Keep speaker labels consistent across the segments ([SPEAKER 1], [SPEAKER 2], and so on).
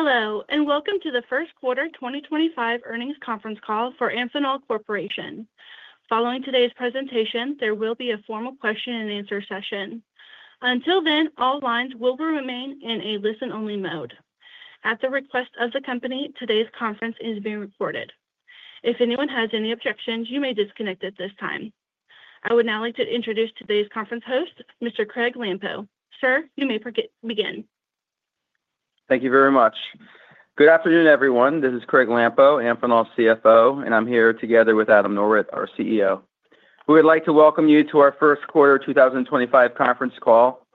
[SPEAKER 1] Hello, and welcome to the First Quarter 2025 Earnings Conference Call for Amphenol Corporation. Following today's presentation, there will be a formal question-and-answer session. Until then, all lines will remain in a listen-only mode. At the request of the company, today's conference is being recorded. If anyone has any objections, you may disconnect at this time. I would now like to introduce today's conference host, Mr. Craig Lampo. Sir, you may begin.
[SPEAKER 2] Thank you very much. Good afternoon, everyone. This is Craig Lampo, Amphenol's CFO, and I'm here together with Adam Norwitt, our CEO. We would like to welcome you to our first quarter 2025 conference call.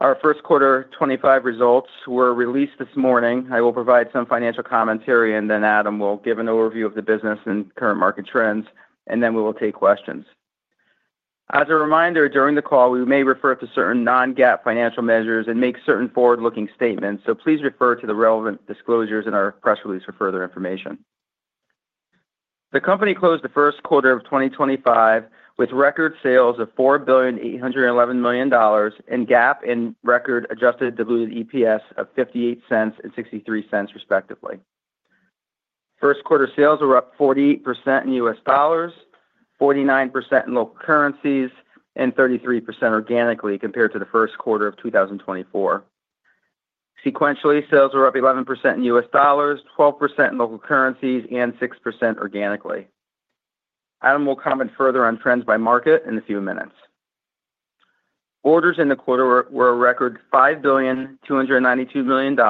[SPEAKER 2] Our first quarter 2025 results were released this morning. I will provide some financial commentary, and then Adam will give an overview of the business and current market trends, and then we will take questions. As a reminder, during the call, we may refer to certain non-GAAP financial measures and make certain forward-looking statements, so please refer to the relevant disclosures in our press release for further information. The company closed the first quarter of 2025 with record sales of $4,811 million and GAAP and record adjusted diluted EPS of $0.58 and $0.63, respectively. First quarter sales were up 48% in U.S. dollars, 49% in local currencies, and 33% organically compared to the first quarter of 2024. Sequentially, sales were up 11% in U.S. dollars, 12% in local currencies, and 6% organically. Adam will comment further on trends by market in a few minutes. Orders in the quarter were a record $5,292 million,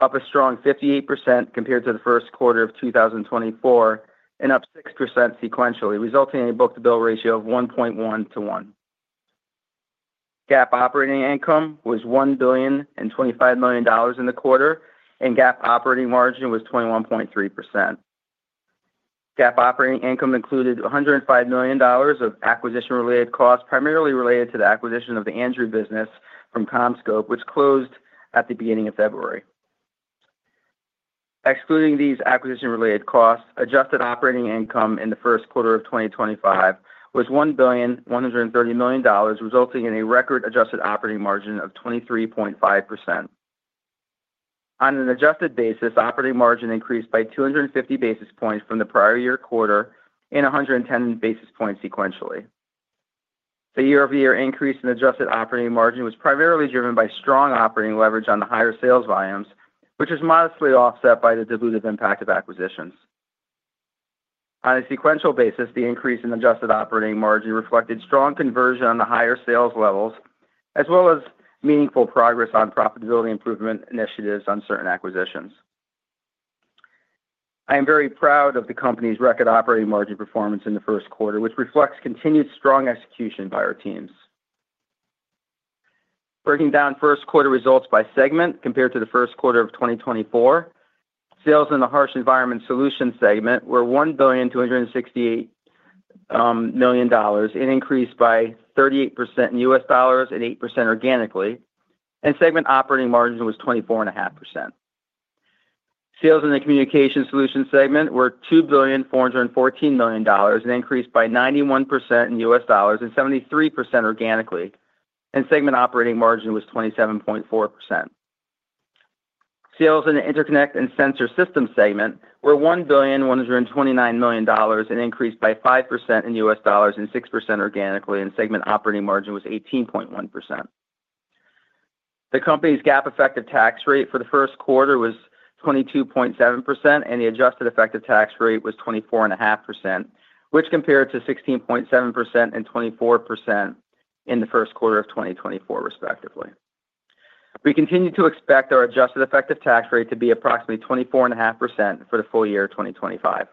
[SPEAKER 2] up a strong 58% compared to the first quarter of 2024, and up 6% sequentially, resulting in a book-to-bill ratio of 1.1 to one. GAAP operating income was $1,025 million in the quarter, and GAAP operating margin was 21.3%. GAAP operating income included $105 million of acquisition-related costs, primarily related to the acquisition of the Andrew business from CommScope, which closed at the beginning of February. Excluding these acquisition-related costs, adjusted operating income in the first quarter of 2025 was $1,130 million, resulting in a record adjusted operating margin of 23.5%. On an adjusted basis, operating margin increased by 250 basis points from the prior year quarter and 110 basis points sequentially. The year-over-year increase in adjusted operating margin was primarily driven by strong operating leverage on the higher sales volumes, which is modestly offset by the dilutive impact of acquisitions. On a sequential basis, the increase in adjusted operating margin reflected strong conversion on the higher sales levels, as well as meaningful progress on profitability improvement initiatives on certain acquisitions. I am very proud of the company's record operating margin performance in the first quarter, which reflects continued strong execution by our teams. Breaking down first quarter results by segment compared to the first quarter of 2024, sales in the Harsh Environment Solutions segment were $1,268 million and increased by 38% in U.S. dollars and 8% organically, and segment operating margin was 24.5%. Sales in the Communications Solutions segment were $2,414 million and increased by 91% in U.S. dollars and 73% organically, and segment operating margin was 27.4%. Sales in the Interconnect and Sensor Systems segment were $1,129 million and increased by 5% in U.S. dollars and 6% organically, and segment operating margin was 18.1%. The company's GAAP effective tax rate for the first quarter was 22.7%, and the adjusted effective tax rate was 24.5%, which compared to 16.7% and 24% in the first quarter of 2024, respectively. We continue to expect our adjusted effective tax rate to be approximately 24.5% for the full-year of 2025.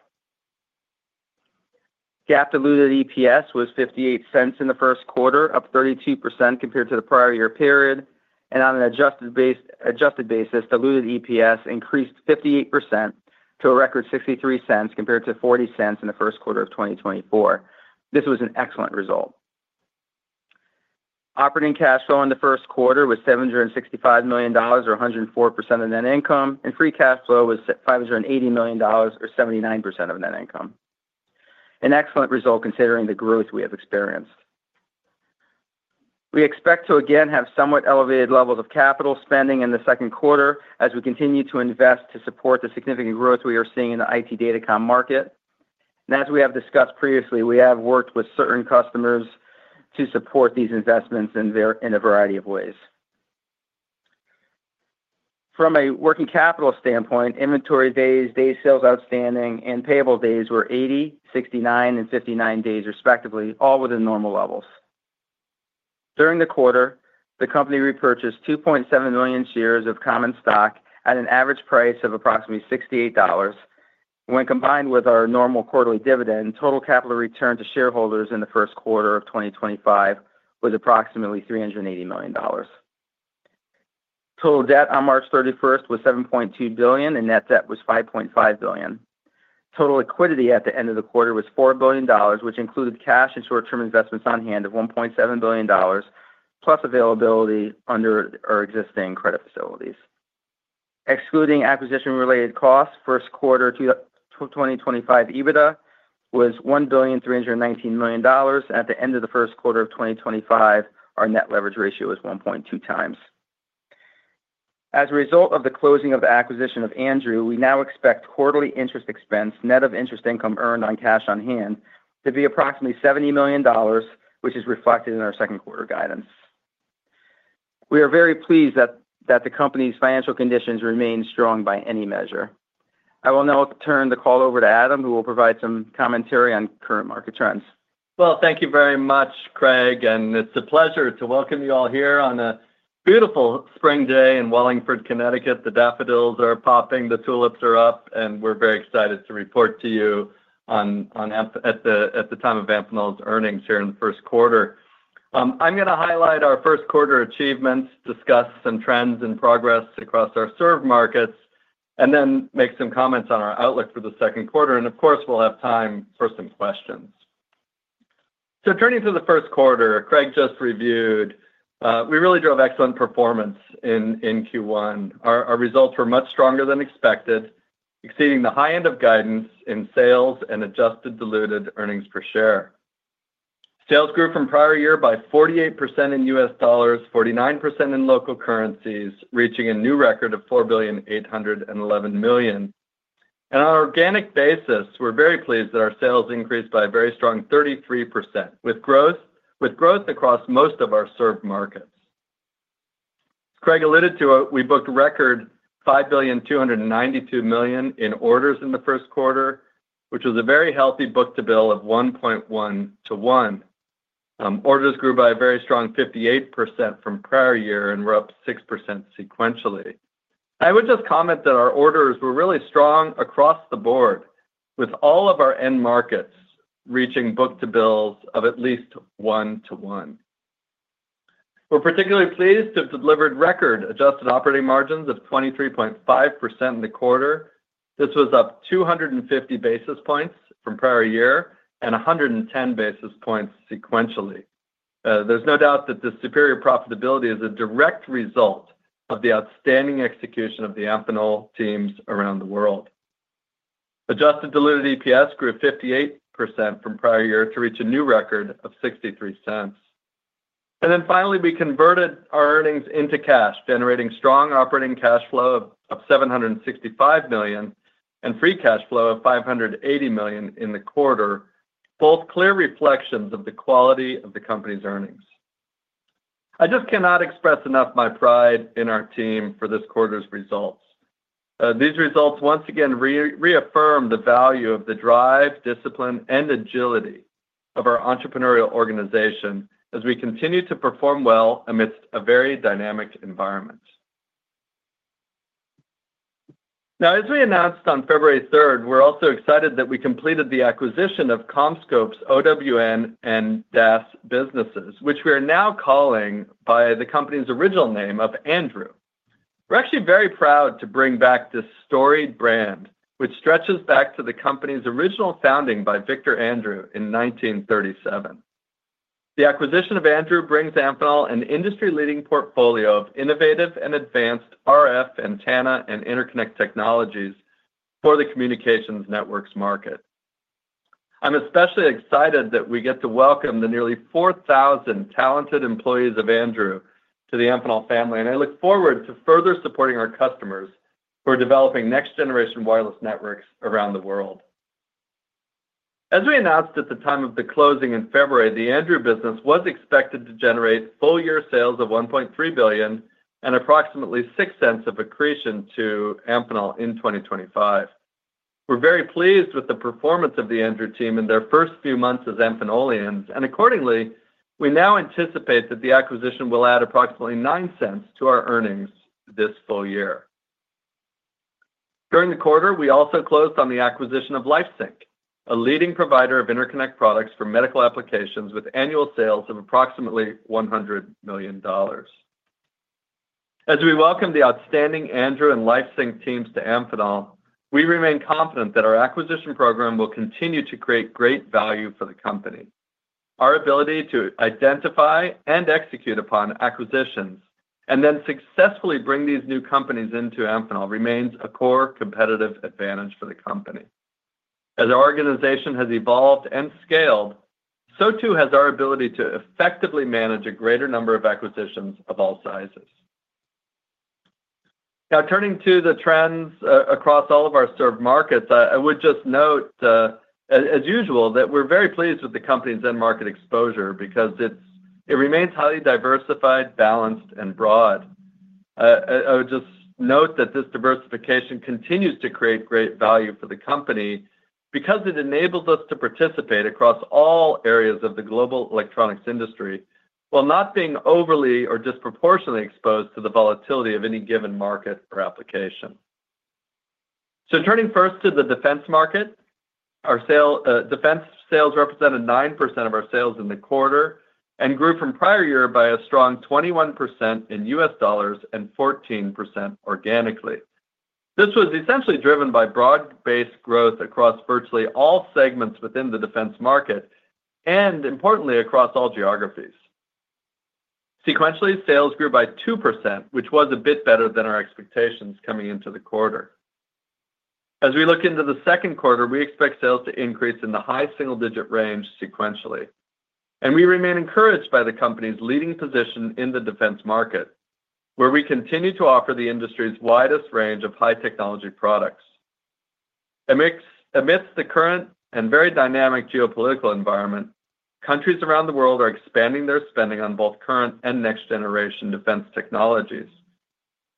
[SPEAKER 2] GAAP diluted EPS was $0.58 in the first quarter, up 32% compared to the prior year period, and on an adjusted basis, diluted EPS increased 58% to a record $0.63 compared to $0.40 in the first quarter of 2024. This was an excellent result. Operating cash flow in the first quarter was $765 million, or 104% of net income, and free cash flow was $580 million, or 79% of net income. An excellent result considering the growth we have experienced. We expect to again have somewhat elevated levels of capital spending in the second quarter as we continue to invest to support the significant growth we are seeing in the IT Datacom market. As we have discussed previously, we have worked with certain customers to support these investments in a variety of ways. From a working capital standpoint, inventory days, days sales outstanding, and payable days were 80, 69, and 59 days, respectively, all within normal levels. During the quarter, the company repurchased 2.7 million shares of common stock at an average price of approximately $68. When combined with our normal quarterly dividend, total capital return to shareholders in the first quarter of 2025 was approximately $380 million. Total debt on March 31st was $7.2 billion, and net debt was $5.5 billion. Total liquidity at the end of the quarter was $4 billion, which included cash and short-term investments on hand of $1.7 billion, plus availability under our existing credit facilities. Excluding acquisition-related costs, first quarter 2025 EBITDA was $1,319 million, and at the end of the first quarter of 2025, our net leverage ratio was 1.2 times. As a result of the closing of the acquisition of Andrew, we now expect quarterly interest expense, net of interest income earned on cash on hand, to be approximately $70 million, which is reflected in our second quarter guidance. We are very pleased that the company's financial conditions remain strong by any measure. I will now turn the call over to Adam, who will provide some commentary on current market trends.
[SPEAKER 3] Thank you very much, Craig, and it's a pleasure to welcome you all here on a beautiful spring day in Wallingford, Connecticut. The daffodils are popping, the tulips are up, and we're very excited to report to you at the time of Amphenol's earnings here in the first quarter. I'm going to highlight our first quarter achievements, discuss some trends and progress across our serve markets, and then make some comments on our outlook for the second quarter. Of course, we'll have time for some questions. Turning to the first quarter, Craig just reviewed, we really drove excellent performance in Q1. Our results were much stronger than expected, exceeding the high end of guidance in sales and adjusted diluted earnings per share. Sales grew from prior year by 48% in U.S. dollars, 49% in local currencies, reaching a new record of $4,811 million. On an organic basis, we're very pleased that our sales increased by a very strong 33%, with growth across most of our serve markets. Craig alluded to it, we booked record $5,292 million in orders in the first quarter, which was a very healthy book-to-bill of 1.1 to one. Orders grew by a very strong 58% from prior year and were up 6% sequentially. I would just comment that our orders were really strong across the board, with all of our end markets reaching book-to-bills of at least one to one. We're particularly pleased to have delivered record adjusted operating margins of 23.5% in the quarter. This was up 250 basis points from prior year and 110 basis points sequentially. There's no doubt that the superior profitability is a direct result of the outstanding execution of the Amphenol teams around the world. Adjusted diluted EPS grew 58% from prior year to reach a new record of $0.63. Finally, we converted our earnings into cash, generating strong operating cash flow of $765 million and free cash flow of $580 million in the quarter, both clear reflections of the quality of the company's earnings. I just cannot express enough my pride in our team for this quarter's results. These results once again reaffirm the value of the drive, discipline, and agility of our entrepreneurial organization as we continue to perform well amidst a very dynamic environment. Now, as we announced on February 3rd, we are also excited that we completed the acquisition of CommScope's OWN and DAS businesses, which we are now calling by the company's original name of Andrew. We are actually very proud to bring back this storied brand, which stretches back to the company's original founding by Victor Andrew in 1937. The acquisition of Andrew brings Amphenol an industry-leading portfolio of innovative and advanced RF antenna and interconnect technologies for the communications networks market. I'm especially excited that we get to welcome the nearly 4,000 talented employees of Andrew to the Amphenol family, and I look forward to further supporting our customers who are developing next-generation wireless networks around the world. As we announced at the time of the closing in February, the Andrew business was expected to generate full-year sales of $1.3 billion and approximately $0.06 of accretion to Amphenol in 2025. We're very pleased with the performance of the Andrew team in their first few months as Amphenolians, and accordingly, we now anticipate that the acquisition will add approximately $0.09 to our earnings this full-year. During the quarter, we also closed on the acquisition of LifeSync, a leading provider of interconnect products for medical applications with annual sales of approximately $100 million. As we welcome the outstanding Andrew and LifeSync teams to Amphenol, we remain confident that our acquisition program will continue to create great value for the company. Our ability to identify and execute upon acquisitions and then successfully bring these new companies into Amphenol remains a core competitive advantage for the company. As our organization has evolved and scaled, so too has our ability to effectively manage a greater number of acquisitions of all sizes. Now, turning to the trends across all of our serve markets, I would just note, as usual, that we're very pleased with the company's end market exposure because it remains highly diversified, balanced, and broad. I would just note that this diversification continues to create great value for the company because it enables us to participate across all areas of the global electronics industry while not being overly or disproportionately exposed to the volatility of any given market or application. Turning first to the defense market, our defense sales represented 9% of our sales in the quarter and grew from prior year by a strong 21% in U.S. dollars and 14% organically. This was essentially driven by broad-based growth across virtually all segments within the defense market and, importantly, across all geographies. Sequentially, sales grew by 2%, which was a bit better than our expectations coming into the quarter. As we look into the second quarter, we expect sales to increase in the high single-digit range sequentially. We remain encouraged by the company's leading position in the defense market, where we continue to offer the industry's widest range of high-technology products. Amidst the current and very dynamic geopolitical environment, countries around the world are expanding their spending on both current and next-generation defense technologies.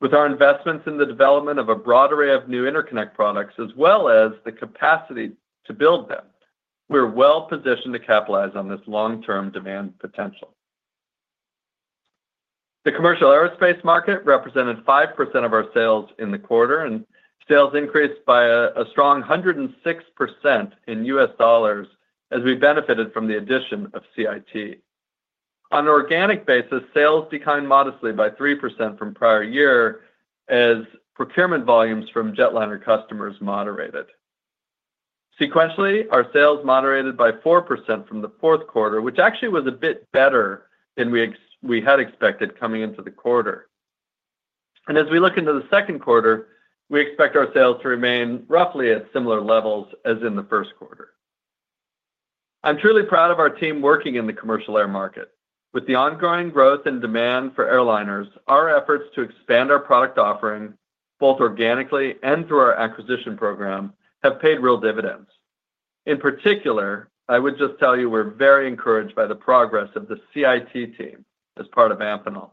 [SPEAKER 3] With our investments in the development of a broad array of new interconnect products, as well as the capacity to build them, we're well positioned to capitalize on this long-term demand potential. The commercial aerospace market represented 5% of our sales in the quarter, and sales increased by a strong 106% in U.S. dollars as we benefited from the addition of CIT. On an organic basis, sales declined modestly by 3% from prior year as procurement volumes from jetliner customers moderated. Sequentially, our sales moderated by 4% from the fourth quarter, which actually was a bit better than we had expected coming into the quarter. As we look into the second quarter, we expect our sales to remain roughly at similar levels as in the first quarter. I'm truly proud of our team working in the commercial air market. With the ongoing growth and demand for airliners, our efforts to expand our product offering, both organically and through our acquisition program, have paid real dividends. In particular, I would just tell you we're very encouraged by the progress of the CIT team as part of Amphenol,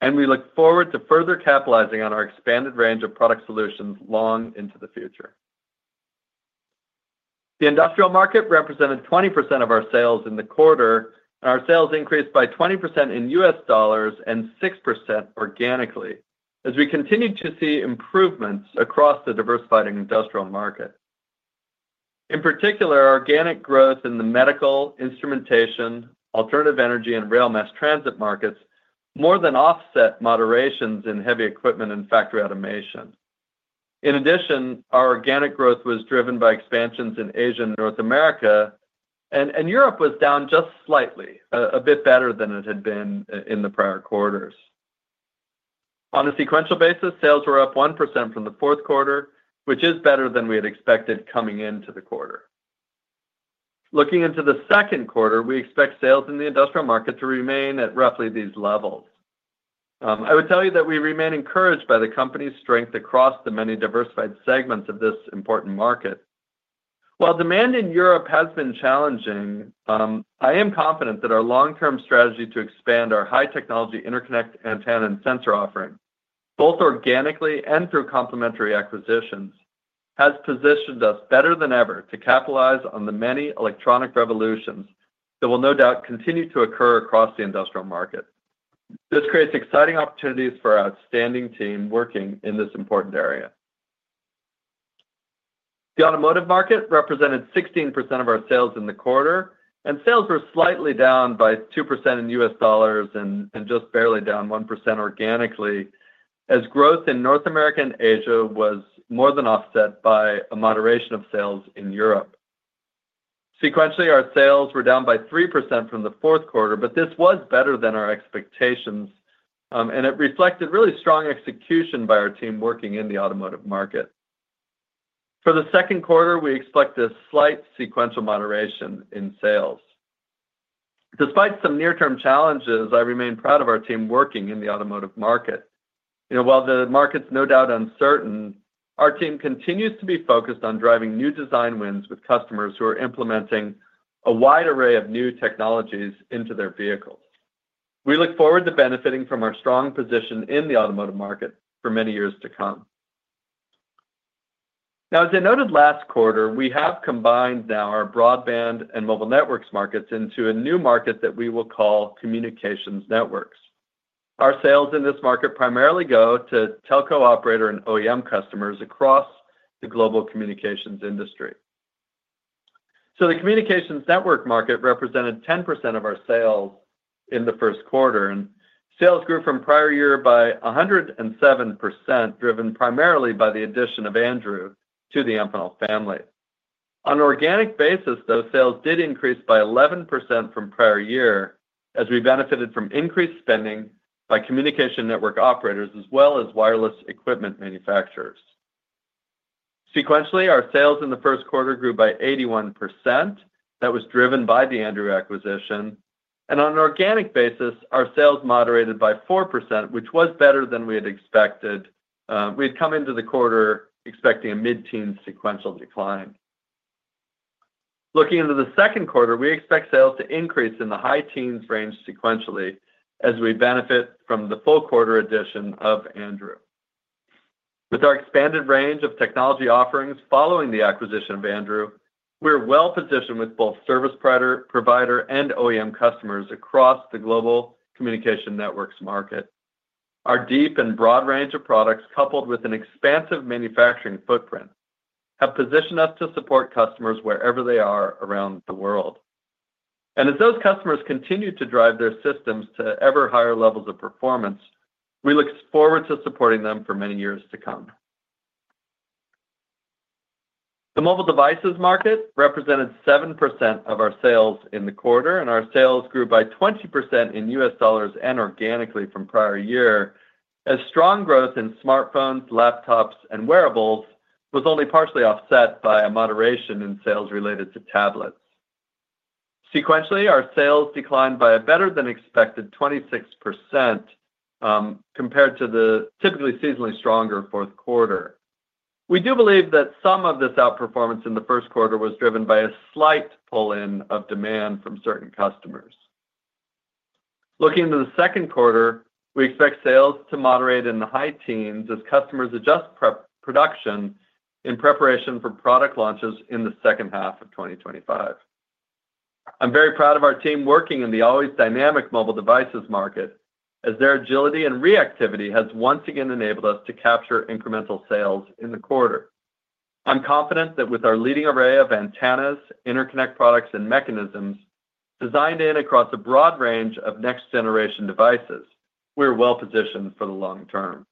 [SPEAKER 3] and we look forward to further capitalizing on our expanded range of product solutions long into the future. The industrial market represented 20% of our sales in the quarter, and our sales increased by 20% in U.S. dollars and 6% organically as we continued to see improvements across the diversified industrial market. In particular, organic growth in the medical, instrumentation, alternative energy, and rail mass transit markets more than offset moderations in heavy equipment and factory automation. In addition, our organic growth was driven by expansions in Asia and North America, and Europe was down just slightly, a bit better than it had been in the prior quarters. On a sequential basis, sales were up 1% from the fourth quarter, which is better than we had expected coming into the quarter. Looking into the second quarter, we expect sales in the industrial market to remain at roughly these levels. I would tell you that we remain encouraged by the company's strength across the many diversified segments of this important market. While demand in Europe has been challenging, I am confident that our long-term strategy to expand our high-technology interconnect antenna and sensor offering, both organically and through complementary acquisitions, has positioned us better than ever to capitalize on the many electronic revolutions that will no doubt continue to occur across the industrial market. This creates exciting opportunities for our outstanding team working in this important area. The automotive market represented 16% of our sales in the quarter, and sales were slightly down by 2% in U.S. dollars and just barely down 1% organically as growth in North America and Asia was more than offset by a moderation of sales in Europe. Sequentially, our sales were down by 3% from the fourth quarter, but this was better than our expectations, and it reflected really strong execution by our team working in the automotive market. For the second quarter, we expect a slight sequential moderation in sales. Despite some near-term challenges, I remain proud of our team working in the automotive market. While the market's no doubt uncertain, our team continues to be focused on driving new design wins with customers who are implementing a wide array of new technologies into their vehicles. We look forward to benefiting from our strong position in the automotive market for many years to come. Now, as I noted last quarter, we have combined now our broadband and mobile networks markets into a new market that we will call communications networks. Our sales in this market primarily go to telco operator and OEM customers across the global communications industry. The communications network market represented 10% of our sales in the first quarter, and sales grew from prior year by 107%, driven primarily by the addition of Andrew to the Amphenol family. On an organic basis, though, sales did increase by 11% from prior year as we benefited from increased spending by communication network operators as well as wireless equipment manufacturers. Sequentially, our sales in the first quarter grew by 81%. That was driven by the Andrew acquisition. On an organic basis, our sales moderated by 4%, which was better than we had expected. We had come into the quarter expecting a mid-teens sequential decline. Looking into the second quarter, we expect sales to increase in the high teens range sequentially as we benefit from the full quarter addition of Andrew. With our expanded range of technology offerings following the acquisition of Andrew, we're well positioned with both service provider and OEM customers across the global communication networks market. Our deep and broad range of products, coupled with an expansive manufacturing footprint, have positioned us to support customers wherever they are around the world. As those customers continue to drive their systems to ever higher levels of performance, we look forward to supporting them for many years to come. The mobile devices market represented 7% of our sales in the quarter, and our sales grew by 20% in $ and organically from prior year as strong growth in smartphones, laptops, and wearables was only partially offset by a moderation in sales related to tablets. Sequentially, our sales declined by a better than expected 26% compared to the typically seasonally stronger fourth quarter. We do believe that some of this outperformance in the first quarter was driven by a slight pull-in of demand from certain customers. Looking into the second quarter, we expect sales to moderate in the high teens as customers adjust production in preparation for product launches in the second half of 2025. I'm very proud of our team working in the always dynamic mobile devices market as their agility and reactivity has once again enabled us to capture incremental sales in the quarter. I'm confident that with our leading array of antennas, interconnect products, and mechanisms designed in across a broad range of next-generation devices, we're well positioned for the long term.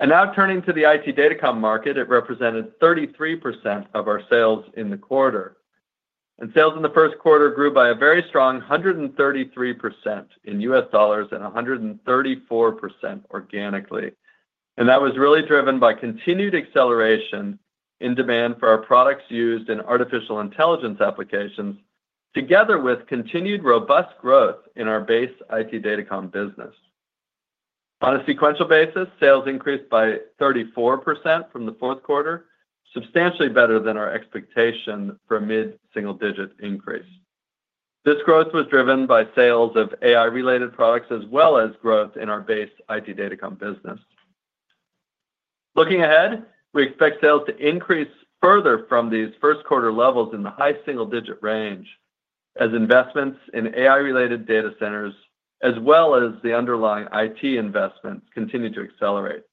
[SPEAKER 3] Now turning to the IT Datacom market, it represented 33% of our sales in the quarter. Sales in the first quarter grew by a very strong 133% in U.S. dollars and 134% organically. That was really driven by continued acceleration in demand for our products used in artificial intelligence applications, together with continued robust growth in our base IT Datacom business. On a sequential basis, sales increased by 34% from the fourth quarter, substantially better than our expectation for a mid-single-digit increase. This growth was driven by sales of AI-related products as well as growth in our base IT Datacom business. Looking ahead, we expect sales to increase further from these first quarter levels in the high single-digit range as investments in AI-related data centers as well as the underlying IT investments continue to accelerate.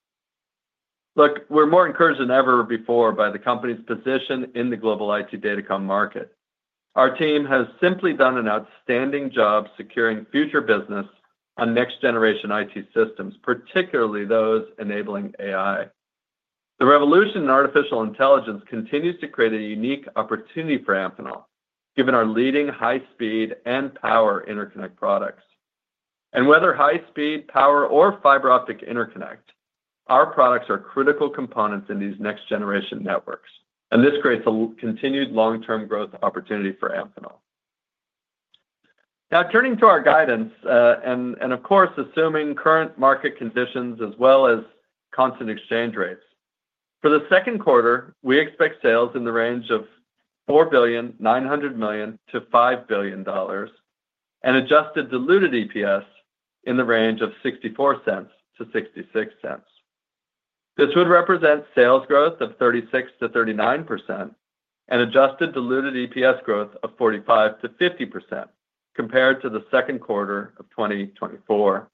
[SPEAKER 3] Look, we're more encouraged than ever before by the company's position in the global IT Datacom market. Our team has simply done an outstanding job securing future business on next-generation IT systems, particularly those enabling AI. The revolution in artificial intelligence continues to create a unique opportunity for Amphenol, given our leading high-speed and power interconnect products. Whether high-speed, power, or fiber optic interconnect, our products are critical components in these next-generation networks, and this creates a continued long-term growth opportunity for Amphenol. Now, turning to our guidance and, of course, assuming current market conditions as well as constant exchange rates, for the second quarter, we expect sales in the range of $4.9 billion-$5 billion and adjusted diluted EPS in the range of $0.64-$0.66. This would represent sales growth of 36%-39% and adjusted diluted EPS growth of 45%-50% compared to the second quarter of 2024.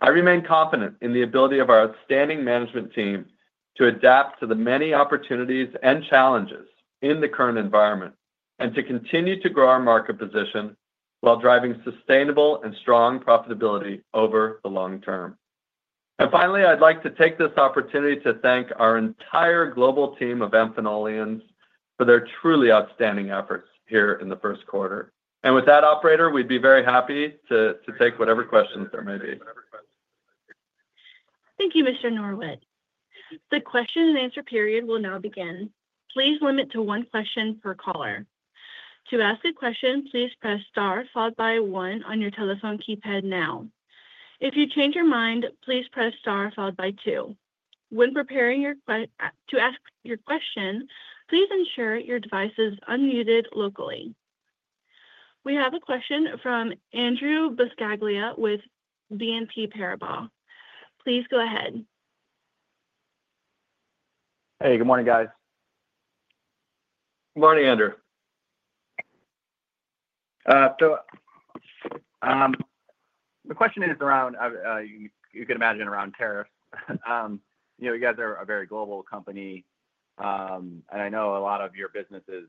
[SPEAKER 3] I remain confident in the ability of our outstanding management team to adapt to the many opportunities and challenges in the current environment and to continue to grow our market position while driving sustainable and strong profitability over the long term. Finally, I'd like to take this opportunity to thank our entire global team of Amphenolians for their truly outstanding efforts here in the first quarter. With that, Operator, we'd be very happy to take whatever questions there may be.
[SPEAKER 1] Thank you, Mr. Norwitt. The question-and-answer period will now begin. Please limit to one question per caller. To ask a question, please press star followed by one on your telephone keypad now. If you change your mind, please press star followed by two. When preparing to ask your question, please ensure your device is unmuted locally. We have a question from Andrew Buscaglia with BNP Paribas. Please go ahead.
[SPEAKER 4] Hey, good morning, guys.
[SPEAKER 3] Good morning, Andrew.
[SPEAKER 4] The question is around, you could imagine, around tariffs. You guys are a very global company, and I know a lot of your business is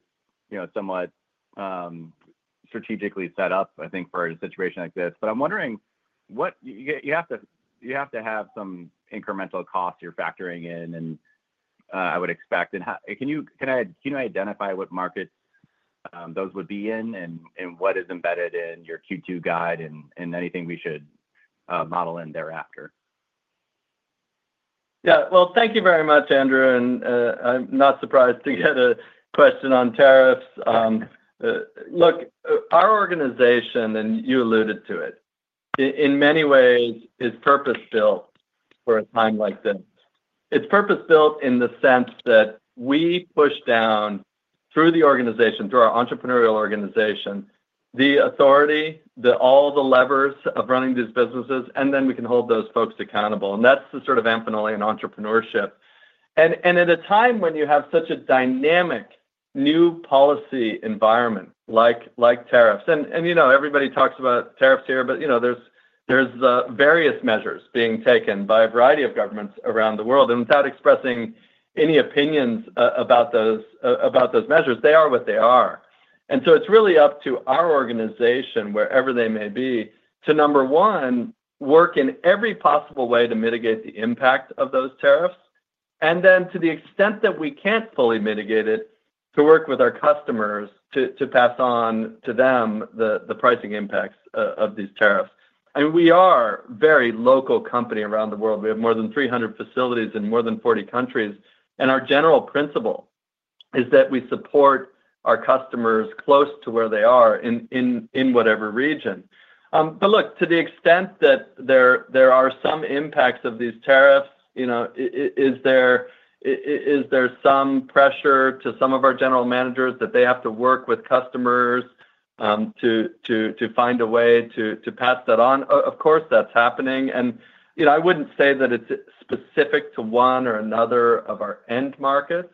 [SPEAKER 4] somewhat strategically set up, I think, for a situation like this. I am wondering, you have to have some incremental costs you are factoring in, and I would expect. Can you identify what markets those would be in and what is embedded in your Q2 guide and anything we should model in thereafter?
[SPEAKER 3] Yeah. Thank you very much, Andrew. I am not surprised to get a question on tariffs. Look, our organization, and you alluded to it, in many ways is purpose-built for a time like this. It's purpose-built in the sense that we push down through the organization, through our entrepreneurial organization, the authority, all the levers of running these businesses, and then we can hold those folks accountable. That's the sort of Amphenolian entrepreneurship. At a time when you have such a dynamic new policy environment like tariffs—everybody talks about tariffs here, but there's various measures being taken by a variety of governments around the world—and without expressing any opinions about those measures, they are what they are. It's really up to our organization, wherever they may be, to, number one, work in every possible way to mitigate the impact of those tariffs, and then to the extent that we can't fully mitigate it, to work with our customers to pass on to them the pricing impacts of these tariffs. We are a very local company around the world. We have more than 300 facilities in more than 40 countries. Our general principle is that we support our customers close to where they are in whatever region. Look, to the extent that there are some impacts of these tariffs, is there some pressure to some of our general managers that they have to work with customers to find a way to pass that on? Of course, that's happening. I would not say that it's specific to one or another of our end markets.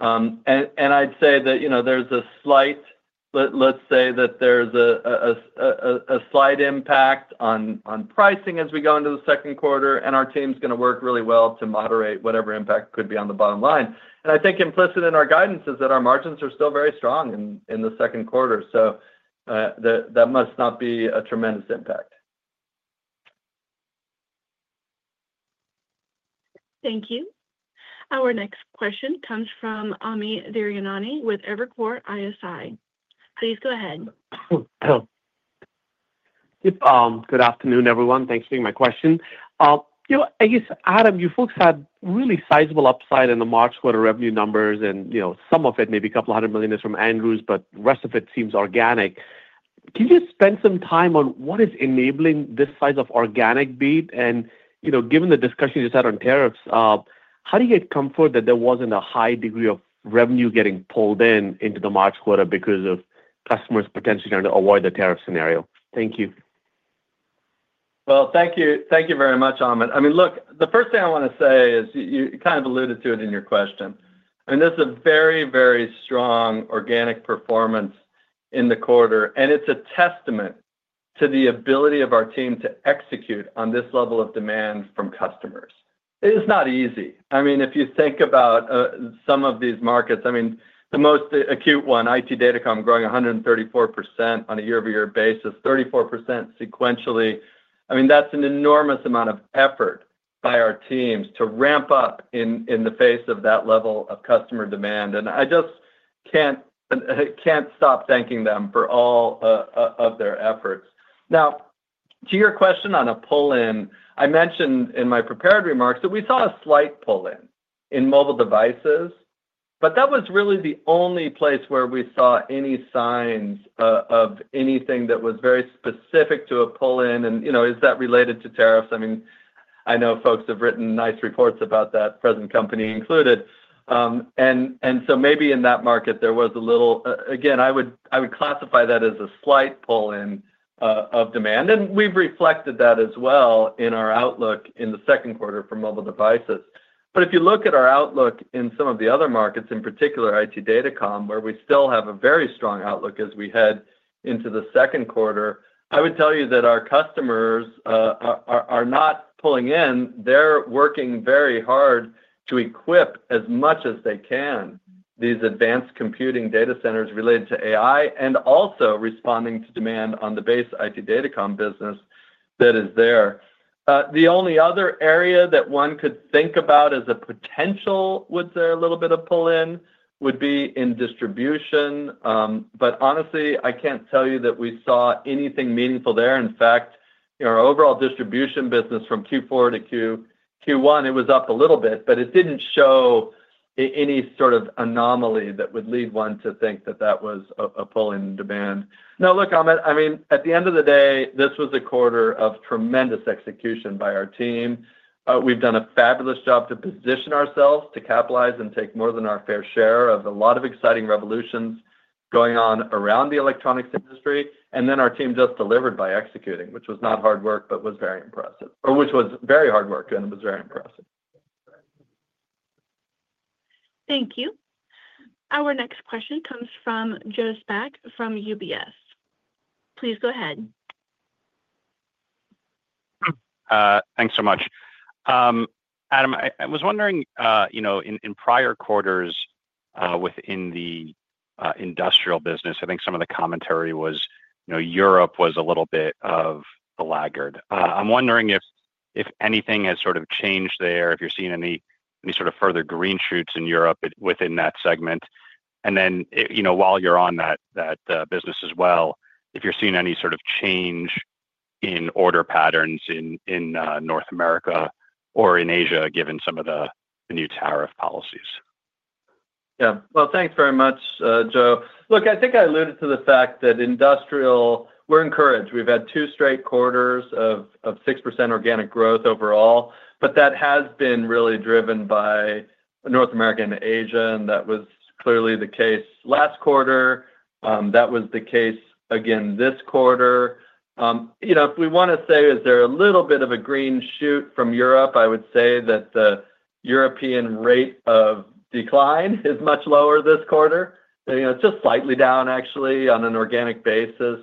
[SPEAKER 3] I would say that there's a slight—let's say that there's a slight impact on pricing as we go into the second quarter, and our team's going to work really well to moderate whatever impact could be on the bottom line. I think implicit in our guidance is that our margins are still very strong in the second quarter, so that must not be a tremendous impact.
[SPEAKER 1] Thank you. Our next question comes from Amit Daryanani with Evercore ISI. Please go ahead.
[SPEAKER 5] Good afternoon, everyone. Thanks for taking my question. I guess, Adam, you folks had really sizable upside in the March quarter revenue numbers, and some of it, maybe a couple hundred million, is from Andrew, but the rest of it seems organic. Can you spend some time on what is enabling this size of organic beat? And given the discussion you just had on tariffs, how do you get comfort that there was not a high degree of revenue getting pulled in into the March quarter because of customers potentially trying to avoid the tariff scenario? Thank you.
[SPEAKER 3] Thank you very much, Amit. I mean, look, the first thing I want to say is you kind of alluded to it in your question. I mean, there's a very, very strong organic performance in the quarter, and it's a testament to the ability of our team to execute on this level of demand from customers. It's not easy. I mean, if you think about some of these markets, I mean, the most acute one, IT Datacom growing 134% on a year-over-year basis, 34% sequentially. I mean, that's an enormous amount of effort by our teams to ramp up in the face of that level of customer demand. I just can't stop thanking them for all of their efforts. Now, to your question on a pull-in, I mentioned in my prepared remarks that we saw a slight pull-in in mobile devices, but that was really the only place where we saw any signs of anything that was very specific to a pull-in. I mean, is that related to tariffs? I know folks have written nice reports about that, present company included. In that market, there was a little—again, I would classify that as a slight pull-in of demand. We have reflected that as well in our outlook in the second quarter for mobile devices. If you look at our outlook in some of the other markets, in particular IT Datacom, where we still have a very strong outlook as we head into the second quarter, I would tell you that our customers are not pulling in. They're working very hard to equip as much as they can these advanced computing data centers related to AI and also responding to demand on the base IT Datacom business that is there. The only other area that one could think about as a potential with a little bit of pull-in would be in distribution. Honestly, I can't tell you that we saw anything meaningful there. In fact, our overall distribution business from Q4 to Q1, it was up a little bit, but it didn't show any sort of anomaly that would lead one to think that that was a pull-in demand. Now, look, Amit, I mean, at the end of the day, this was a quarter of tremendous execution by our team. We've done a fabulous job to position ourselves to capitalize and take more than our fair share of a lot of exciting revolutions going on around the electronics industry. Our team just delivered by executing, which was very hard work, and it was very impressive.
[SPEAKER 1] Thank you. Our next question comes from Joe Spak from UBS. Please go ahead.
[SPEAKER 6] Thanks so much. Adam, I was wondering, in prior quarters within the industrial business, I think some of the commentary was Europe was a little bit of the laggard. I'm wondering if anything has sort of changed there, if you're seeing any sort of further green shoots in Europe within that segment. Then while you're on that business as well, if you're seeing any sort of change in order patterns in North America or in Asia given some of the new tariff policies.
[SPEAKER 3] Yeah. Thanks very much, Joe. Look, I think I alluded to the fact that industrial—we're encouraged. We've had two straight quarters of 6% organic growth overall, but that has been really driven by North America and Asia, and that was clearly the case last quarter. That was the case again this quarter. If we want to say there's a little bit of a green shoot from Europe, I would say that the European rate of decline is much lower this quarter. It's just slightly down, actually, on an organic basis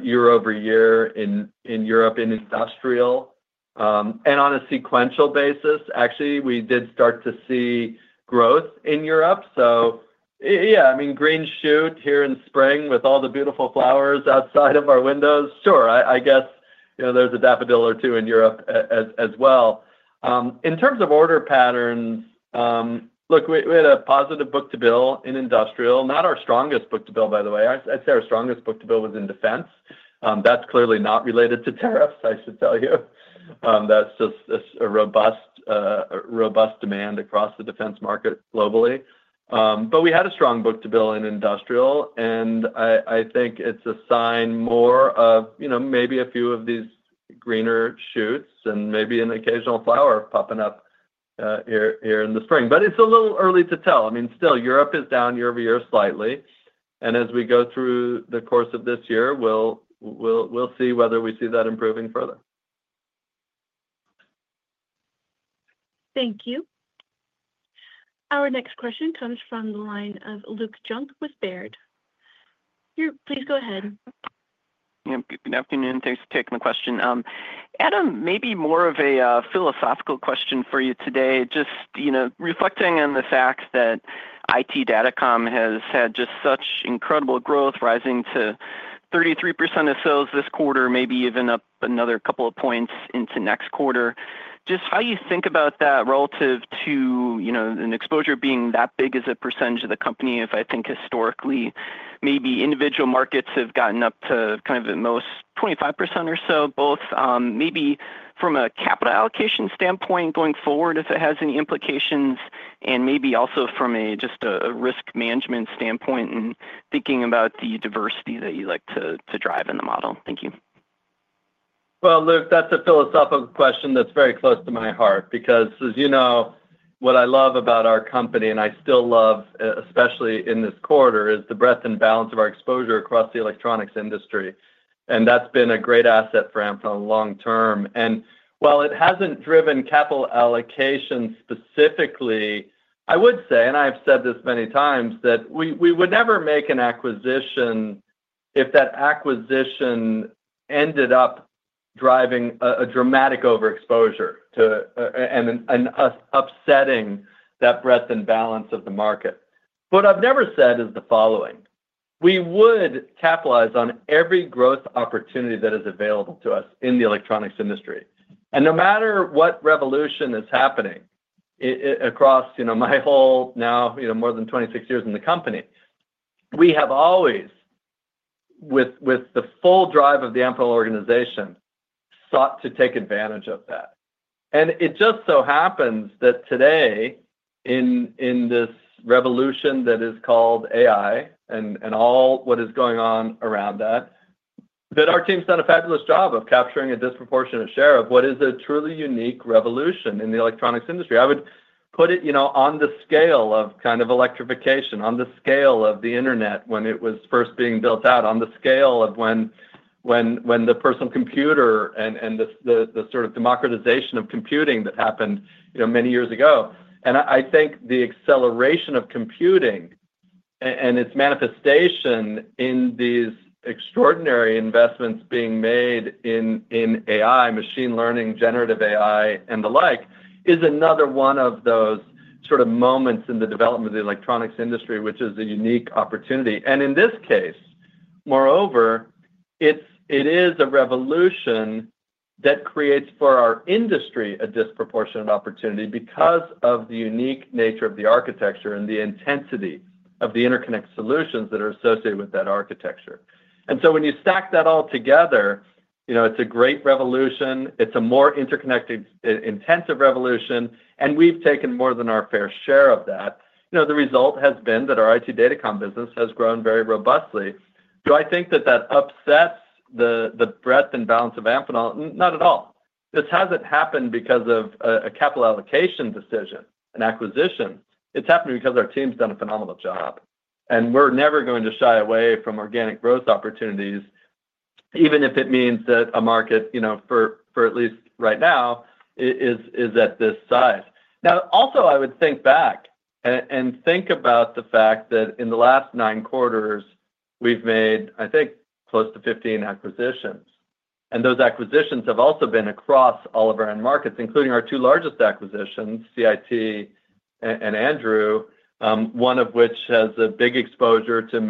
[SPEAKER 3] year-over-year in Europe in industrial. And on a sequential basis, actually, we did start to see growth in Europe. Yeah, I mean, green shoot here in spring with all the beautiful flowers outside of our windows. Sure, I guess there's a daffodil or two in Europe as well. In terms of order patterns, look, we had a positive book-to-bill in industrial. Not our strongest book-to-bill, by the way. I'd say our strongest book-to-bill was in defense. That's clearly not related to tariffs, I should tell you. That's just a robust demand across the defense market globally. We had a strong book-to-bill in industrial, and I think it's a sign more of maybe a few of these greener shoots and maybe an occasional flower popping up here in the spring. It's a little early to tell. I mean, still, Europe is down year-over-year slightly. As we go through the course of this year, we'll see whether we see that improving further.
[SPEAKER 1] Thank you. Our next question comes from the line of Luke Junk with Baird. Please go ahead. Good afternoon.
[SPEAKER 7] Thanks for taking the question. Adam, maybe more of a philosophical question for you today. Just reflecting on the fact that IT Datacom has had just such incredible growth, rising to 33% of sales this quarter, maybe even up another couple of points into next quarter. Just how you think about that relative to an exposure being that big as a percentage of the company, if I think historically maybe individual markets have gotten up to kind of at most 25% or so, both maybe from a capital allocation standpoint going forward if it has any implications and maybe also from just a risk management standpoint and thinking about the diversity that you like to drive in the model. Thank you.
[SPEAKER 3] Luke, that's a philosophical question that's very close to my heart because, as you know, what I love about our company, and I still love, especially in this quarter, is the breadth and balance of our exposure across the electronics industry. That's been a great asset for Amphenol long-term. While it hasn't driven capital allocation specifically, I would say, and I've said this many times, that we would never make an acquisition if that acquisition ended up driving a dramatic overexposure and upsetting that breadth and balance of the market. What I've never said is the following. We would capitalize on every growth opportunity that is available to us in the electronics industry. No matter what revolution is happening across my whole now more than 26 years in the company, we have always, with the full drive of the Amphenol organization, sought to take advantage of that. It just so happens that today, in this revolution that is called AI and all what is going on around that, our team's done a fabulous job of capturing a disproportionate share of what is a truly unique revolution in the electronics industry. I would put it on the scale of kind of electrification, on the scale of the internet when it was first being built out, on the scale of when the personal computer and the sort of democratization of computing that happened many years ago. I think the acceleration of computing and its manifestation in these extraordinary investments being made in AI, machine learning, generative AI, and the like is another one of those sort of moments in the development of the electronics industry, which is a unique opportunity. In this case, moreover, it is a revolution that creates for our industry a disproportionate opportunity because of the unique nature of the architecture and the intensity of the interconnected solutions that are associated with that architecture. When you stack that all together, it's a great revolution. It's a more interconnected, intensive revolution, and we've taken more than our fair share of that. The result has been that our IT Datacom business has grown very robustly. Do I think that that upsets the breadth and balance of Amphenol? Not at all. This hasn't happened because of a capital allocation decision, an acquisition. It's happened because our team's done a phenomenal job. We're never going to shy away from organic growth opportunities, even if it means that a market, for at least right now, is at this size. Now, also, I would think back and think about the fact that in the last nine quarters, we've made, I think, close to 15 acquisitions. Those acquisitions have also been across all of our end markets, including our two largest acquisitions, CIT and Andrew, one of which has a big exposure to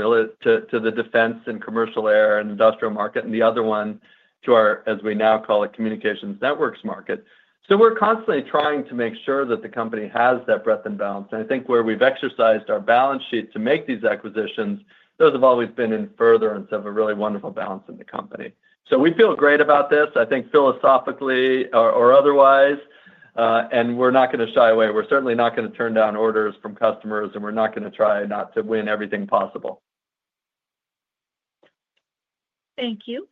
[SPEAKER 3] the defense and commercial air and industrial market, and the other one to our, as we now call it, communications networks market. We are constantly trying to make sure that the company has that breadth and balance. I think where we've exercised our balance sheet to make these acquisitions, those have always been in furtherance of a really wonderful balance in the company. We feel great about this, I think, philosophically or otherwise, and we're not going to shy away. We're certainly not going to turn down orders from customers, and we're not going to try not to win everything possible.
[SPEAKER 1] Thank you.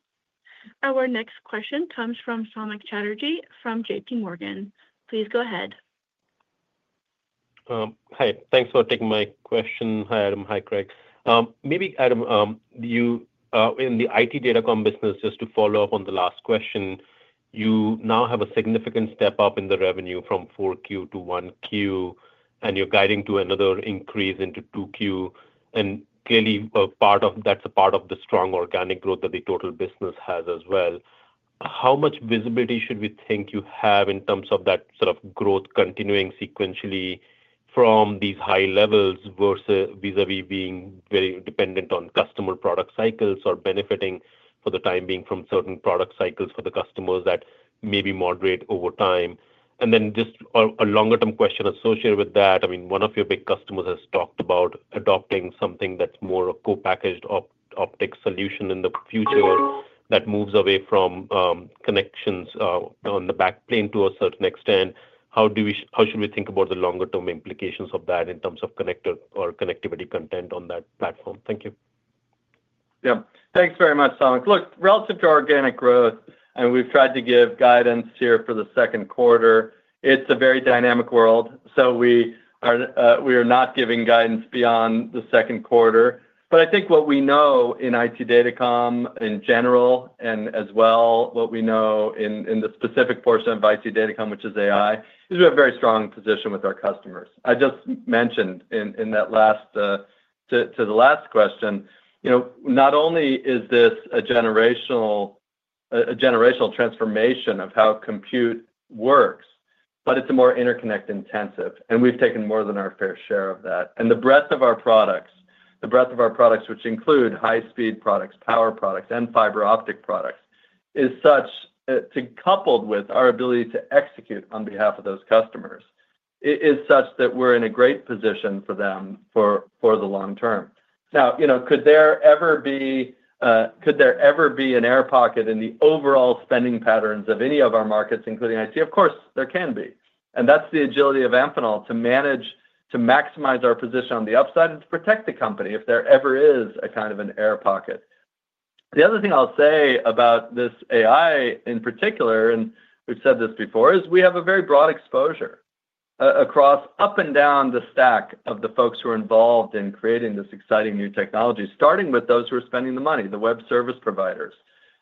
[SPEAKER 1] Our next question comes from Samik Chatterjee from JPMorgan. Please go ahead.
[SPEAKER 8] Hi. Thanks for taking my question. Hi, Adam. Hi, Craig. Maybe, Adam, in the IT Datacom business, just to follow up on the last question, you now have a significant step up in the revenue from Q4 to Q1, and you're guiding to another increase into Q2. Clearly, that's a part of the strong organic growth that the total business has as well. How much visibility should we think you have in terms of that sort of growth continuing sequentially from these high levels vis-à-vis being very dependent on customer product cycles or benefiting for the time being from certain product cycles for the customers that may be moderate over time? Then just a longer-term question associated with that. I mean, one of your big customers has talked about adopting something that's more a co-packaged optic solution in the future that moves away from connections on the back plane to a certain extent. How should we think about the longer-term implications of that in terms of connectivity content on that platform? Thank you.
[SPEAKER 3] Yeah. Thanks very much, Samik. Look, relative to organic growth, and we've tried to give guidance here for the second quarter, it's a very dynamic world. We are not giving guidance beyond the second quarter. I think what we know in IT Datacom in general and as well what we know in the specific portion of IT Datacom, which is AI, is we have a very strong position with our customers. I just mentioned in that last to the last question, not only is this a generational transformation of how compute works, but it's more interconnect intensive. We've taken more than our fair share of that. The breadth of our products, the breadth of our products, which include high-speed products, power products, and fiber optic products, is such that, coupled with our ability to execute on behalf of those customers, it is such that we're in a great position for them for the long term. Now, could there ever be an air pocket in the overall spending patterns of any of our markets, including IT? Of course, there can be. That's the agility of Amphenol to manage, to maximize our position on the upside and to protect the company if there ever is a kind of an air pocket. The other thing I'll say about this AI in particular, and we've said this before, is we have a very broad exposure across up and down the stack of the folks who are involved in creating this exciting new technology, starting with those who are spending the money, the web service providers,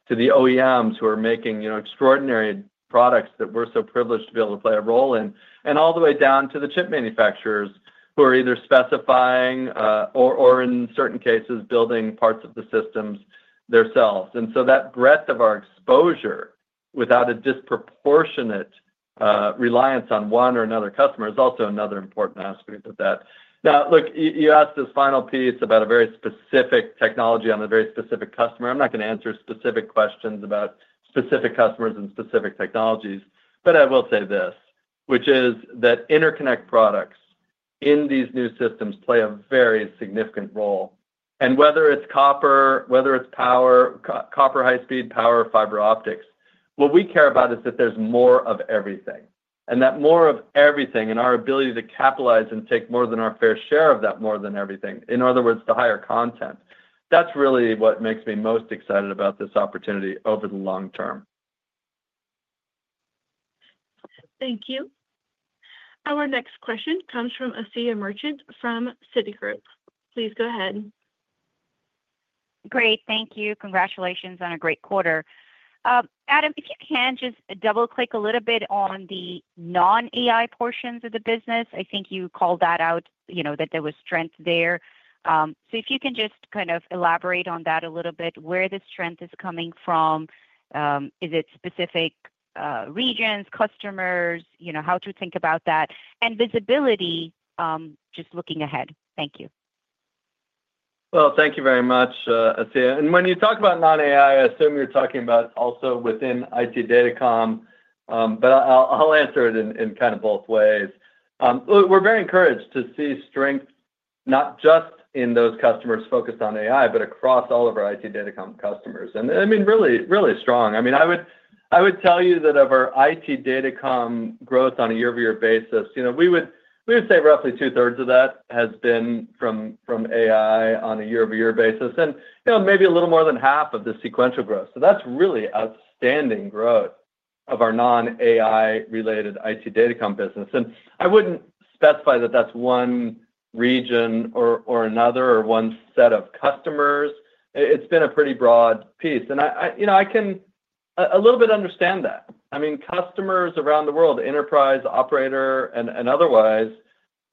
[SPEAKER 3] to the OEMs who are making extraordinary products that we're so privileged to be able to play a role in, and all the way down to the chip manufacturers who are either specifying or, in certain cases, building parts of the systems themselves. That breadth of our exposure without a disproportionate reliance on one or another customer is also another important aspect of that. Now, look, you asked this final piece about a very specific technology on a very specific customer. I'm not going to answer specific questions about specific customers and specific technologies, but I will say this, which is that interconnect products in these new systems play a very significant role. Whether it's copper, whether it's power, copper high-speed power, fiber optics, what we care about is that there's more of everything. That more of everything and our ability to capitalize and take more than our fair share of that more than everything, in other words, the higher content, that's really what makes me most excited about this opportunity over the long term.
[SPEAKER 1] Thank you. Our next question comes from Asiya Merchant from Citigroup. Please go ahead.
[SPEAKER 9] Great. Thank you. Congratulations on a great quarter. Adam, if you can just double-click a little bit on the non-AI portions of the business. I think you called that out, that there was strength there. If you can just kind of elaborate on that a little bit, where the strength is coming from, is it specific regions, customers, how to think about that, and visibility, just looking ahead. Thank you.
[SPEAKER 3] Thank you very much, Asiya. When you talk about non-AI, I assume you're talking about also within IT Datacom, but I'll answer it in kind of both ways. We're very encouraged to see strength not just in those customers focused on AI, but across all of our IT Datacom customers. I mean, really strong. I would tell you that of our IT Datacom growth on a year-over-year basis, we would say roughly 2/3 of that has been from AI on a year-over-year basis, and maybe a little more than half of the sequential growth. That's really outstanding growth of our non-AI-related IT Datacom business. I wouldn't specify that that's one region or another or one set of customers. It's been a pretty broad piece. I can a little bit understand that. I mean, customers around the world, enterprise, operator, and otherwise,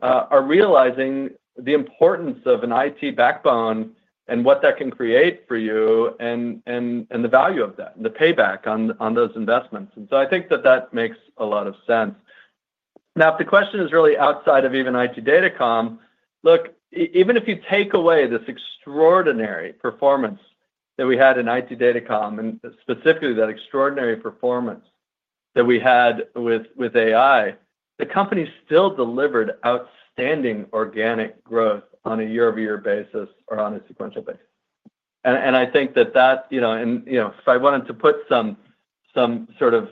[SPEAKER 3] are realizing the importance of an IT backbone and what that can create for you and the value of that and the payback on those investments. I think that that makes a lot of sense. Now, if the question is really outside of even IT Datacom, look, even if you take away this extraordinary performance that we had in IT Datacom, and specifically that extraordinary performance that we had with AI, the company still delivered outstanding organic growth on a year-over-year basis or on a sequential basis. I think that that and if I wanted to put some sort of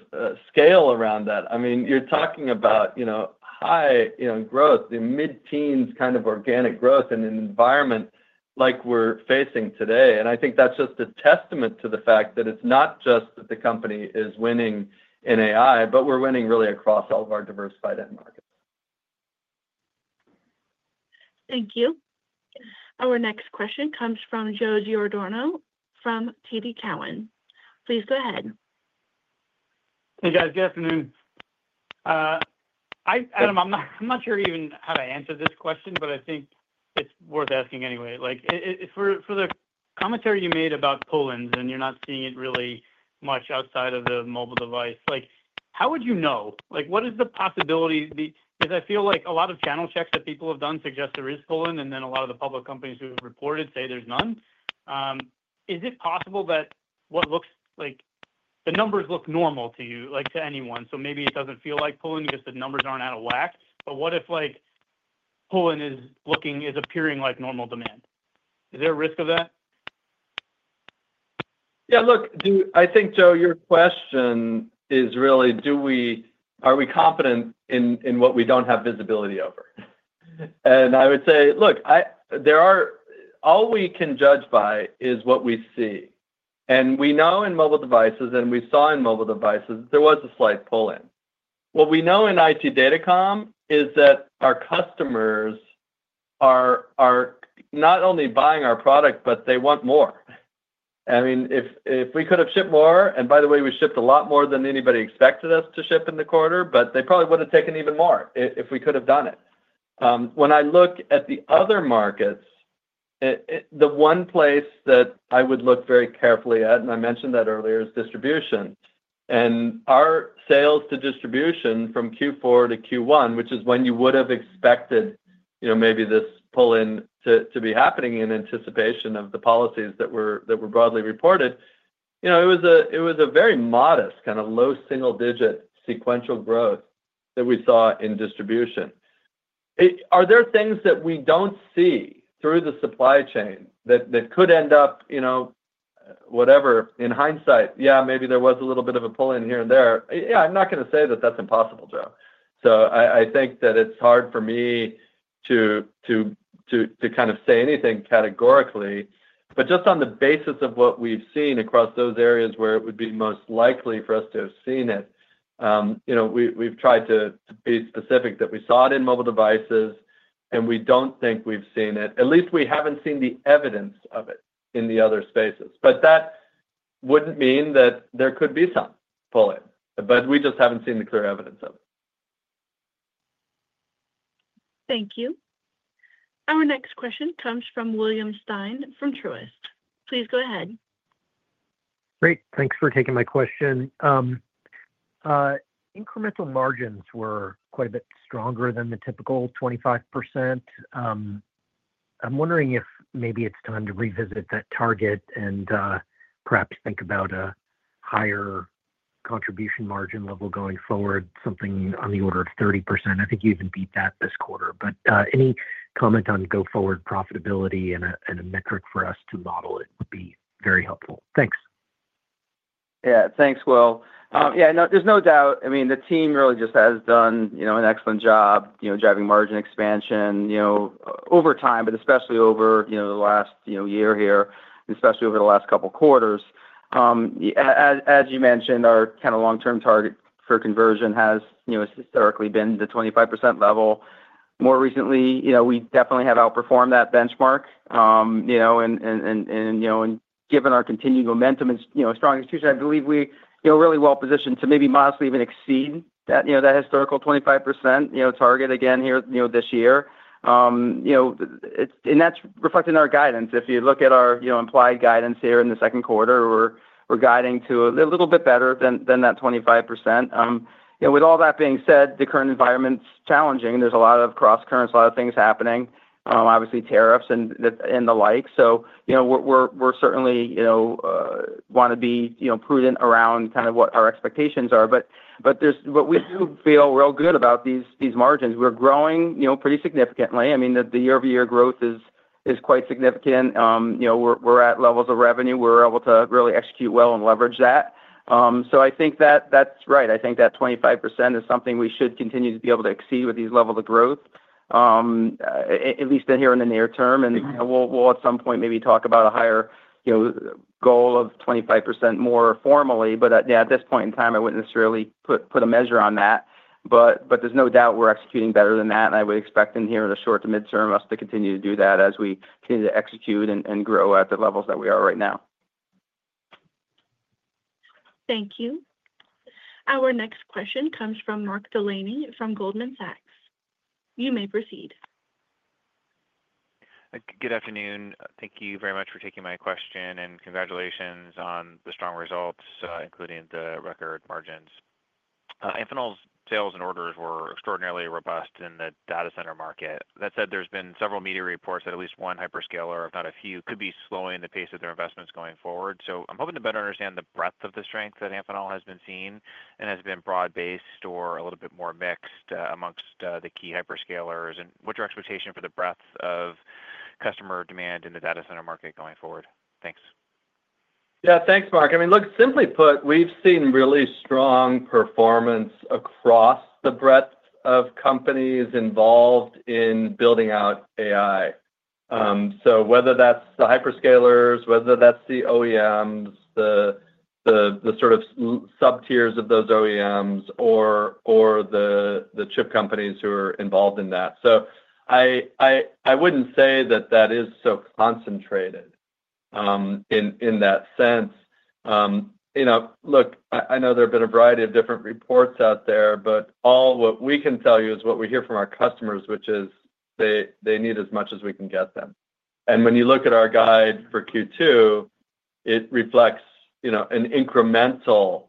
[SPEAKER 3] scale around that, I mean, you're talking about high growth, the mid-teens kind of organic growth in an environment like we're facing today. I think that's just a testament to the fact that it's not just that the company is winning in AI, but we're winning really across all of our diversified end markets.
[SPEAKER 1] Thank you. Our next question comes from Joe Giordano from TD Cowen. Please go ahead.
[SPEAKER 10] Hey, guys. Good afternoon. Adam, I'm not sure even how to answer this question, but I think it's worth asking anyway. For the commentary you made about Poland and you're not seeing it really much outside of the mobile device, how would you know? What is the possibility? Because I feel like a lot of channel checks that people have done suggest there is pull-in, and then a lot of the public companies who have reported say there's none. Is it possible that what looks like the numbers look normal to you, to anyone? Maybe it doesn't feel like pull-in because the numbers aren't out of whack. What if pull-in is appearing like normal demand? Is there a risk of that?
[SPEAKER 3] Yeah. Look, I think, Joe, your question is really, are we confident in what we don't have visibility over? I would say, look, all we can judge by is what we see. We know in mobile devices, and we saw in mobile devices, there was a slight pull-in. What we know in IT Datacom is that our customers are not only buying our product, but they want more. I mean, if we could have shipped more—and by the way, we shipped a lot more than anybody expected us to ship in the quarter—they probably would have taken even more if we could have done it. When I look at the other markets, the one place that I would look very carefully at, and I mentioned that earlier, is distribution. Our sales to distribution from Q4 to Q1, which is when you would have expected maybe this pull-in to be happening in anticipation of the policies that were broadly reported, it was a very modest kind of low single-digit sequential growth that we saw in distribution. Are there things that we do not see through the supply chain that could end up, whatever, in hindsight? Yeah, maybe there was a little bit of a pull-in here and there. Yeah, I am not going to say that that is impossible, Joe. I think that it's hard for me to kind of say anything categorically. Just on the basis of what we've seen across those areas where it would be most likely for us to have seen it, we've tried to be specific that we saw it in mobile devices, and we don't think we've seen it. At least we haven't seen the evidence of it in the other spaces. That wouldn't mean that there could be some pull-in, but we just haven't seen the clear evidence of it.
[SPEAKER 1] Thank you. Our next question comes from William Stein from Truist. Please go ahead.
[SPEAKER 11] Great. Thanks for taking my question. Incremental margins were quite a bit stronger than the typical 25%. I'm wondering if maybe it's time to revisit that target and perhaps think about a higher contribution margin level going forward, something on the order of 30%. I think you even beat that this quarter. Any comment on go forward profitability and a metric for us to model it would be very helpful. Thanks.
[SPEAKER 3] Yeah. Thanks, Will. Yeah. There's no doubt. I mean, the team really just has done an excellent job driving margin expansion over time, especially over the last year here, especially over the last couple of quarters. As you mentioned, our kind of long-term target for conversion has historically been the 25% level. More recently, we definitely have outperformed that benchmark. Given our continued momentum and strong institution, I believe we are really well positioned to maybe modestly even exceed that historical 25% target again here this year. That's reflected in our guidance. If you look at our implied guidance here in the second quarter, we're guiding to a little bit better than that 25%. With all that being said, the current environment's challenging. There's a lot of cross-currents, a lot of things happening, obviously tariffs and the like. We certainly want to be prudent around kind of what our expectations are. What we do feel real good about are these margins, we're growing pretty significantly. I mean, the year-over-year growth is quite significant. We're at levels of revenue where we're able to really execute well and leverage that. I think that that's right. I think that 25% is something we should continue to be able to exceed with these levels of growth, at least here in the near term. We will at some point maybe talk about a higher goal of 25% more formally. At this point in time, I wouldn't necessarily put a measure on that. There's no doubt we're executing better than that. I would expect here in the short to midterm us to continue to do that as we continue to execute and grow at the levels that we are right now.
[SPEAKER 1] Thank you. Our next question comes from Mark Delaney from Goldman Sachs. You may proceed.
[SPEAKER 12] Good afternoon. Thank you very much for taking my question and congratulations on the strong results, including the record margins. Amphenol's sales and orders were extraordinarily robust in the data center market. That said, there have been several media reports that at least one hyperscaler, if not a few, could be slowing the pace of their investments going forward. I am hoping to better understand the breadth of the strength that Amphenol has been seeing and if it has been broad-based or a little bit more mixed amongst the key hyperscalers. What's your expectation for the breadth of customer demand in the data center market going forward? Thanks.
[SPEAKER 3] Yeah. Thanks, Mark. I mean, look, simply put, we've seen really strong performance across the breadth of companies involved in building out AI. Whether that's the hyperscalers, the OEMs, the sort of sub-tiers of those OEMs, or the chip companies who are involved in that. I wouldn't say that that is so concentrated in that sense. I know there have been a variety of different reports out there, but all what we can tell you is what we hear from our customers, which is they need as much as we can get them. When you look at our guide for Q2, it reflects an incremental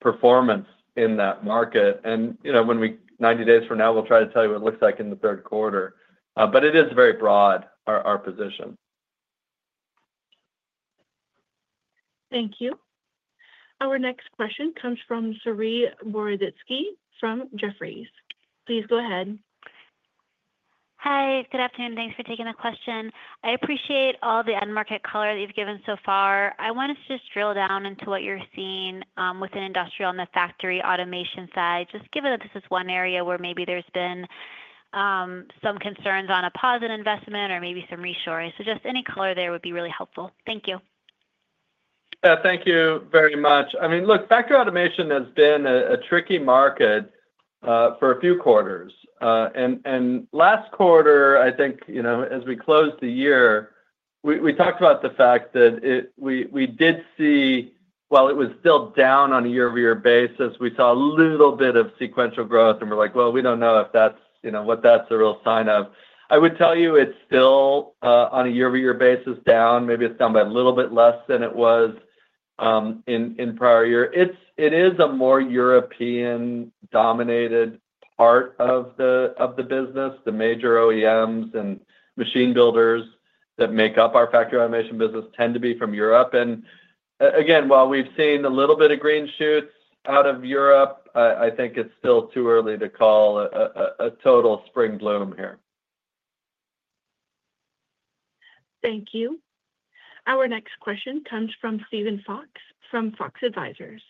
[SPEAKER 3] performance in that market. Ninety days from now, we'll try to tell you what it looks like in the third quarter. It is very broad, our position.
[SPEAKER 1] Thank you. Our next question comes from Saree Boroditsky from Jefferies. Please go ahead.
[SPEAKER 13] Hi. Good afternoon. Thanks for taking the question. I appreciate all the end market color that you've given so far. I want to just drill down into what you're seeing within industrial and the factory automation side. Just given that this is one area where maybe there's been some concerns on a positive investment or maybe some reshoring. Just any color there would be really helpful. Thank you.
[SPEAKER 3] Yeah. Thank you very much. I mean, look, factory automation has been a tricky market for a few quarters. Last quarter, I think as we closed the year, we talked about the fact that we did see, while it was still down on a year-over-year basis, we saw a little bit of sequential growth. We were like, "Well, we don't know what that's a real sign of." I would tell you it's still on a year-over-year basis down. Maybe it's down by a little bit less than it was in prior year. It is a more European-dominated part of the business. The major OEMs and machine builders that make up our factory automation business tend to be from Europe. Again, while we've seen a little bit of green shoots out of Europe, I think it's still too early to call a total spring bloom here.
[SPEAKER 1] Thank you. Our next question comes from Steven Fox from Fox Advisors.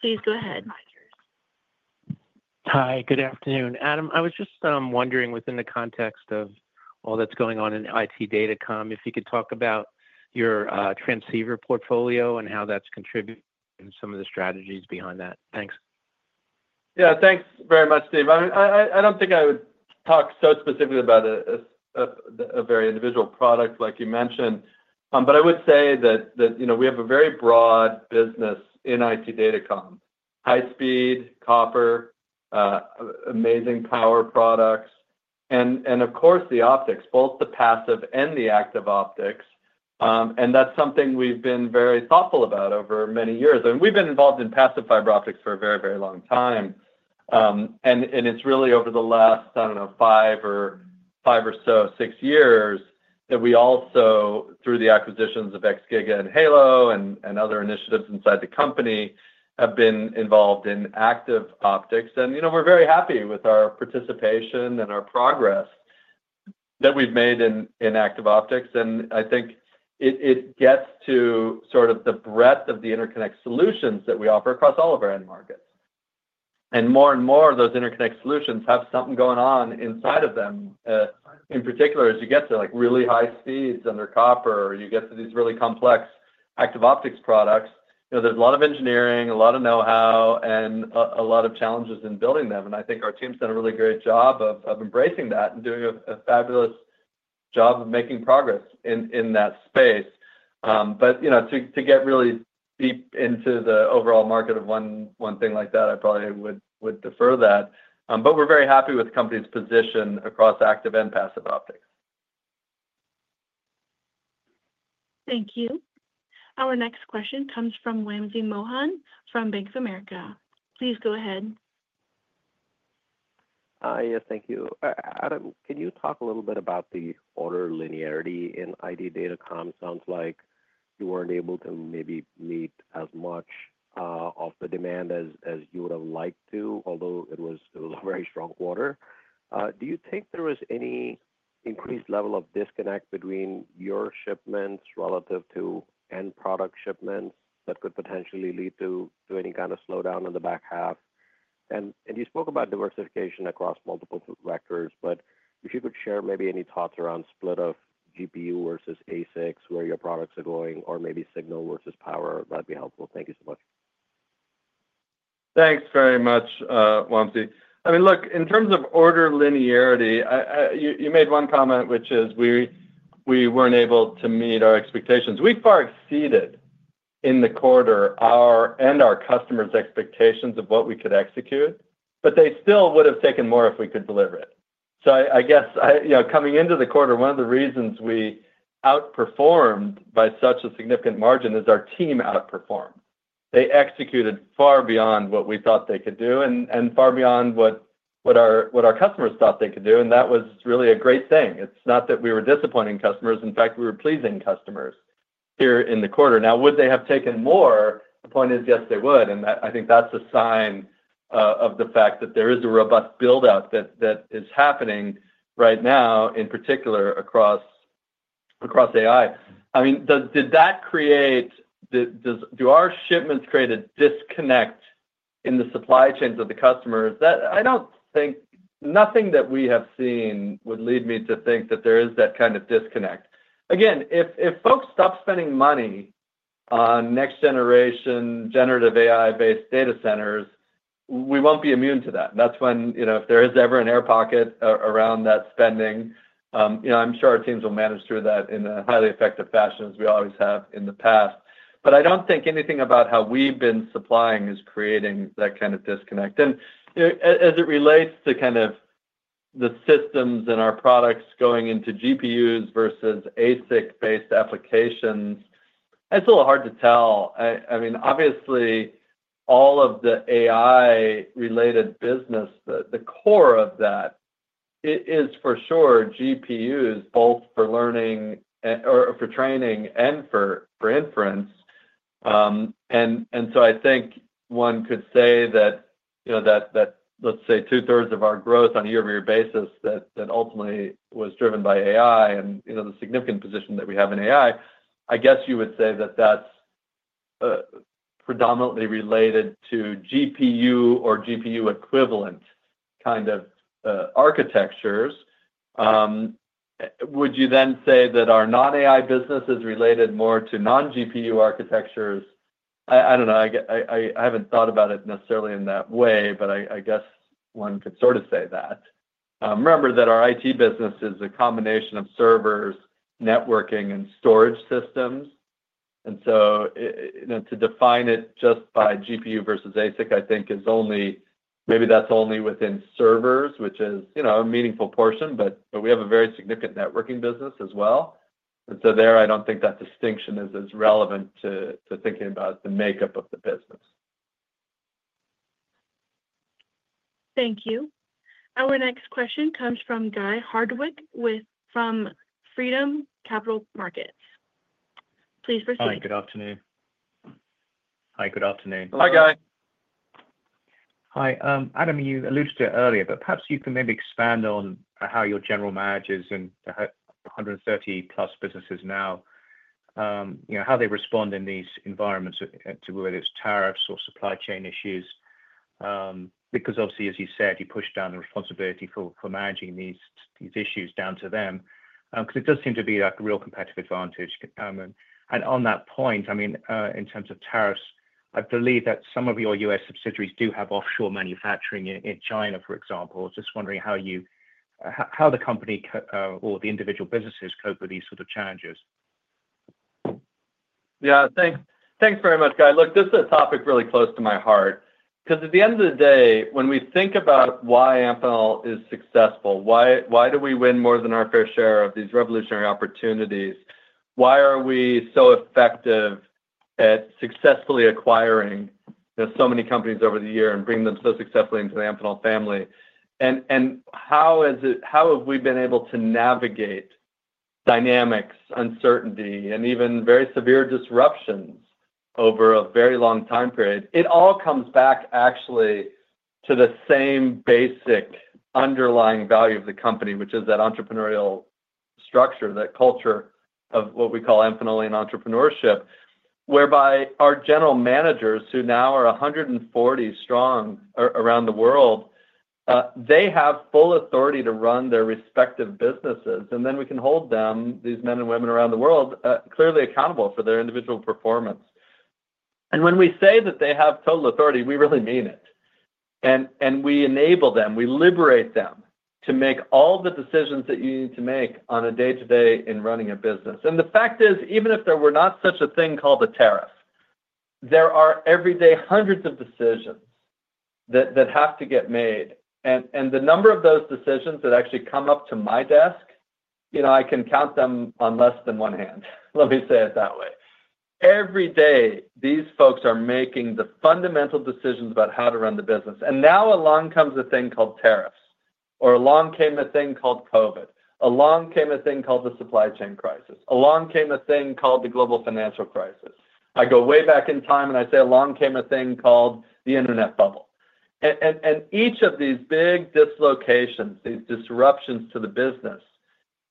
[SPEAKER 1] Please go ahead.
[SPEAKER 14] Hi. Good afternoon. Adam, I was just wondering within the context of all that's going on in IT Datacom if you could talk about your transceiver portfolio and how that's contributed to some of the strategies behind that. Thanks.
[SPEAKER 3] Yeah. Thanks very much, Steve. I don't think I would talk so specifically about a very individual product like you mentioned. I would say that we have a very broad business in IT Datacom: high-speed copper, amazing power products, and of course, the optics, both the passive and the active optics. That's something we've been very thoughtful about over many years. We've been involved in passive fiber optics for a very, very long time. It is really over the last, I don't know, five or so six years that we also, through the acquisitions of Xgiga and Halo and other initiatives inside the company, have been involved in active optics. We are very happy with our participation and our progress that we've made in active optics. I think it gets to sort of the breadth of the interconnect solutions that we offer across all of our end markets. More and more of those interconnect solutions have something going on inside of them. In particular, as you get to really high speeds under copper, or you get to these really complex active optics products, there is a lot of engineering, a lot of know-how, and a lot of challenges in building them. I think our team's done a really great job of embracing that and doing a fabulous job of making progress in that space. To get really deep into the overall market of one thing like that, I probably would defer that. We're very happy with the company's position across active and passive optics.
[SPEAKER 1] Thank you. Our next question comes from Wamsi Mohan from Bank of America. Please go ahead.
[SPEAKER 15] Hi. Yes. Thank you. Adam, can you talk a little bit about the order linearity in IT Datacom? Sounds like you weren't able to maybe meet as much of the demand as you would have liked to, although it was a very strong order. Do you think there was any increased level of disconnect between your shipments relative to end product shipments that could potentially lead to any kind of slowdown in the back half? You spoke about diversification across multiple vectors. If you could share maybe any thoughts around split of GPU versus ASICs, where your products are going, or maybe signal versus power, that would be helpful. Thank you so much.
[SPEAKER 3] Thanks very much, Wamsi. I mean, look, in terms of order linearity, you made one comment, which is we were not able to meet our expectations. We far exceeded in the quarter and our customers' expectations of what we could execute. They still would have taken more if we could deliver it. I guess coming into the quarter, one of the reasons we outperformed by such a significant margin is our team outperformed. They executed far beyond what we thought they could do and far beyond what our customers thought they could do. That was really a great thing. It is not that we were disappointing customers. In fact, we were pleasing customers here in the quarter. Now, would they have taken more? The point is, yes, they would. I think that's a sign of the fact that there is a robust build-up that is happening right now, in particular across AI. I mean, did that create—do our shipments create a disconnect in the supply chains of the customers? I don't think nothing that we have seen would lead me to think that there is that kind of disconnect. Again, if folks stop spending money on next-generation generative AI-based data centers, we won't be immune to that. That's when if there is ever an air pocket around that spending, I'm sure our teams will manage through that in a highly effective fashion, as we always have in the past. I don't think anything about how we've been supplying is creating that kind of disconnect. As it relates to kind of the systems and our products going into GPUs versus ASIC-based applications, it's a little hard to tell. I mean, obviously, all of the AI-related business, the core of that is for sure GPUs, both for learning or for training and for inference. I think one could say that, let's say, 2/3 of our growth on a year-over-year basis that ultimately was driven by AI and the significant position that we have in AI, I guess you would say that that's predominantly related to GPU or GPU-equivalent kind of architectures. Would you then say that our non-AI business is related more to non-GPU architectures? I don't know. I haven't thought about it necessarily in that way, but I guess one could sort of say that. Remember that our IT business is a combination of servers, networking, and storage systems. To define it just by GPU versus ASIC, I think maybe that's only within servers, which is a meaningful portion. We have a very significant networking business as well. There, I do not think that distinction is as relevant to thinking about the makeup of the business.
[SPEAKER 1] Thank you. Our next question comes from Guy Hardwick from Freedom Capital Markets. Please proceed.
[SPEAKER 16] Hi. Good afternoon. Hi. Good afternoon.
[SPEAKER 3] Hi, Guy.
[SPEAKER 16] Hi. Adam, you alluded to it earlier, but perhaps you can maybe expand on how your general managers and 130-plus businesses now, how they respond in these environments to whether it's tariffs or supply chain issues. Because obviously, as you said, you push down the responsibility for managing these issues down to them. It does seem to be a real competitive advantage. On that point, I mean, in terms of tariffs, I believe that some of your U.S. subsidiaries do have offshore manufacturing in China, for example. Just wondering how the company or the individual businesses cope with these sort of challenges.
[SPEAKER 3] Yeah. Thanks very much, Guy. Look, this is a topic really close to my heart. Because at the end of the day, when we think about why Amphenol is successful, why do we win more than our fair share of these revolutionary opportunities? Why are we so effective at successfully acquiring so many companies over the year and bringing them so successfully into the Amphenol family? How have we been able to navigate dynamics, uncertainty, and even very severe disruptions over a very long time period? It all comes back actually to the same basic underlying value of the company, which is that entrepreneurial structure, that culture of what we call Amphenolian entrepreneurship, whereby our general managers, who now are 140 strong around the world, they have full authority to run their respective businesses. We can hold them, these men and women around the world, clearly accountable for their individual performance. When we say that they have total authority, we really mean it. We enable them. We liberate them to make all the decisions that you need to make on a day-to-day in running a business. The fact is, even if there were not such a thing called a tariff, there are every day hundreds of decisions that have to get made. The number of those decisions that actually come up to my desk, I can count them on less than one hand. Let me say it that way. Every day, these folks are making the fundamental decisions about how to run the business. Now along comes a thing called tariffs, or along came a thing called COVID, along came a thing called the supply chain crisis, along came a thing called the global financial crisis. I go way back in time, and I say along came a thing called the internet bubble. Each of these big dislocations, these disruptions to the business,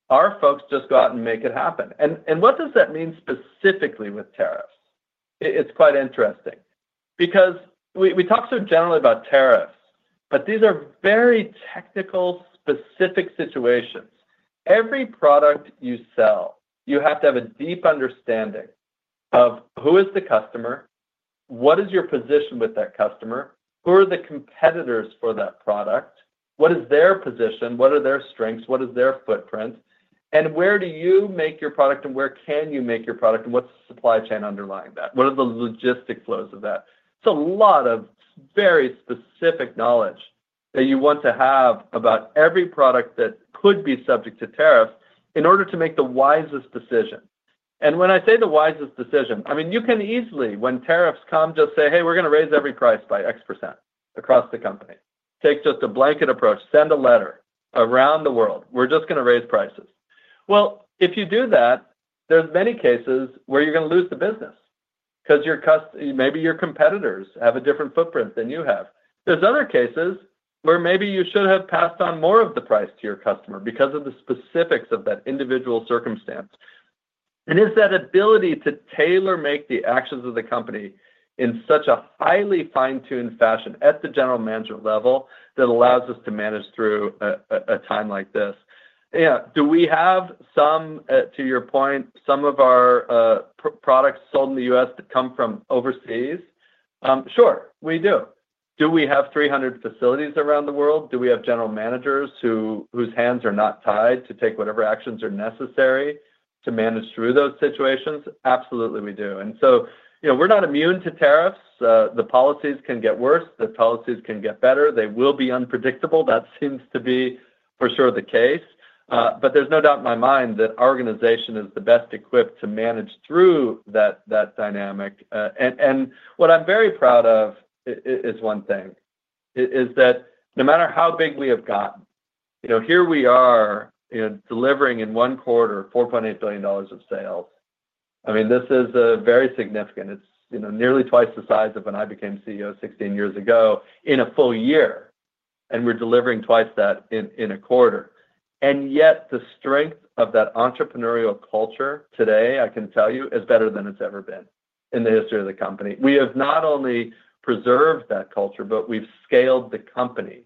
[SPEAKER 3] our folks just go out and make it happen. What does that mean specifically with tariffs? It is quite interesting. Because we talk so generally about tariffs, but these are very technical, specific situations. Every product you sell, you have to have a deep understanding of who is the customer, what is your position with that customer, who are the competitors for that product, what is their position, what are their strengths, what is their footprint, and where do you make your product, and where can you make your product, and what's the supply chain underlying that? What are the logistic flows of that? It's a lot of very specific knowledge that you want to have about every product that could be subject to tariffs in order to make the wisest decision. When I say the wisest decision, I mean, you can easily, when tariffs come, just say, "Hey, we're going to raise every price by X % across the company." Take just a blanket approach. Send a letter around the world. We're just going to raise prices. If you do that, there's many cases where you're going to lose the business because maybe your competitors have a different footprint than you have. There's other cases where maybe you should have passed on more of the price to your customer because of the specifics of that individual circumstance. It's that ability to tailor-make the actions of the company in such a highly fine-tuned fashion at the general management level that allows us to manage through a time like this. Do we have, to your point, some of our products sold in the U.S. that come from overseas? Sure, we do. Do we have 300 facilities around the world? Do we have general managers whose hands are not tied to take whatever actions are necessary to manage through those situations? Absolutely, we do. We're not immune to tariffs. The policies can get worse. The policies can get better. They will be unpredictable. That seems to be for sure the case. There is no doubt in my mind that our organization is the best equipped to manage through that dynamic. What I am very proud of is one thing, that no matter how big we have gotten, here we are delivering in one quarter $4.8 billion of sales. I mean, this is very significant. It is nearly twice the size of when I became CEO 16 years ago in a full-year. We are delivering twice that in a quarter. Yet the strength of that entrepreneurial culture today, I can tell you, is better than it has ever been in the history of the company. We have not only preserved that culture, but we have scaled the company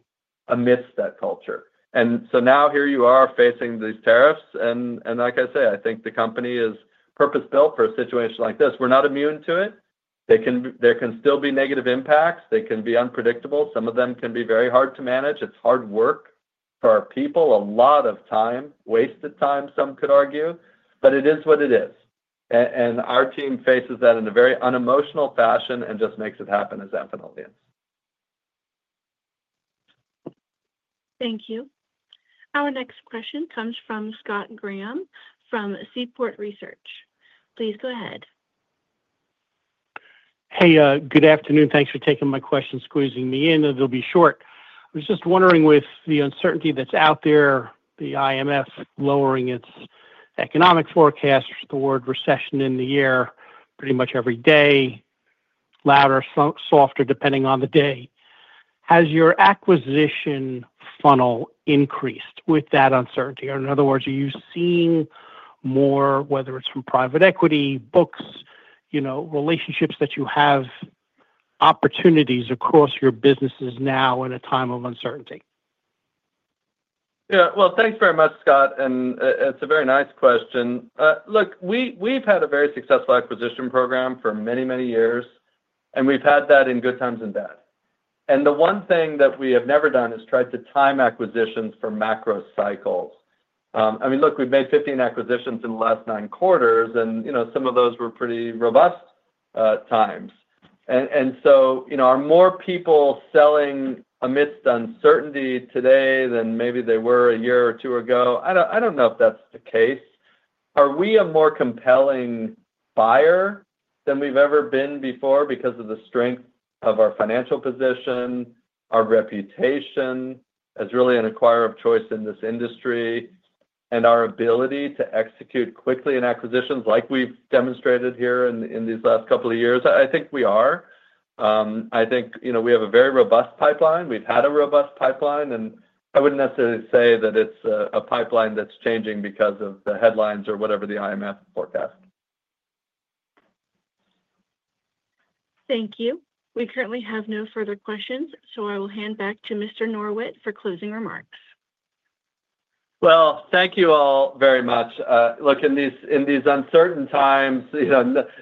[SPEAKER 3] amidst that culture. Now here you are facing these tariffs. Like I say, I think the company is purpose-built for a situation like this. We're not immune to it. There can still be negative impacts. They can be unpredictable. Some of them can be very hard to manage. It's hard work for our people, a lot of time, wasted time, some could argue. It is what it is. Our team faces that in a very unemotional fashion and just makes it happen as Amphenol is.
[SPEAKER 1] Thank you. Our next question comes from Scott Graham from Seaport Research. Please go ahead.
[SPEAKER 17] Hey, good afternoon. Thanks for taking my question, squeezing me in. It'll be short. I was just wondering, with the uncertainty that's out there, the IMF lowering its economic forecast toward recession in the air pretty much every day, louder, softer depending on the day. Has your acquisition funnel increased with that uncertainty? In other words, are you seeing more, whether it's from private equity, books, relationships that you have, opportunities across your businesses now in a time of uncertainty?
[SPEAKER 3] Yeah. Thanks very much, Scott. It's a very nice question. Look, we've had a very successful acquisition program for many, many years. We've had that in good times and bad. The one thing that we have never done is tried to time acquisitions for macro cycles. I mean, look, we've made 15 acquisitions in the last nine quarters. Some of those were pretty robust times. Are more people selling amidst uncertainty today than maybe they were a year or two ago? I don't know if that's the case. Are we a more compelling buyer than we've ever been before because of the strength of our financial position, our reputation as really an acquirer of choice in this industry, and our ability to execute quickly in acquisitions like we've demonstrated here in these last couple of years? I think we are. I think we have a very robust pipeline. We've had a robust pipeline. I wouldn't necessarily say that it's a pipeline that's changing because of the headlines or whatever the IMF forecast.
[SPEAKER 1] Thank you. We currently have no further questions. I will hand back to Mr. Norwitt for closing remarks.
[SPEAKER 3] Thank you all very much. Look, in these uncertain times,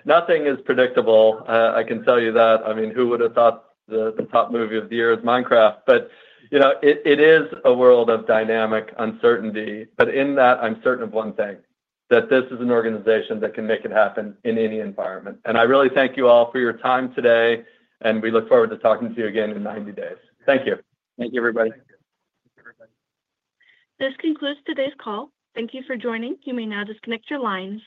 [SPEAKER 3] nothing is predictable. I can tell you that. I mean, who would have thought the top movie of the year is Minecraft? It is a world of dynamic uncertainty. In that, I'm certain of one thing, that this is an organization that can make it happen in any environment. I really thank you all for your time today. We look forward to talking to you again in 90 days. Thank you.
[SPEAKER 2] Thank you, everybody.
[SPEAKER 1] This concludes today's call. Thank you for joining. You may now disconnect your lines.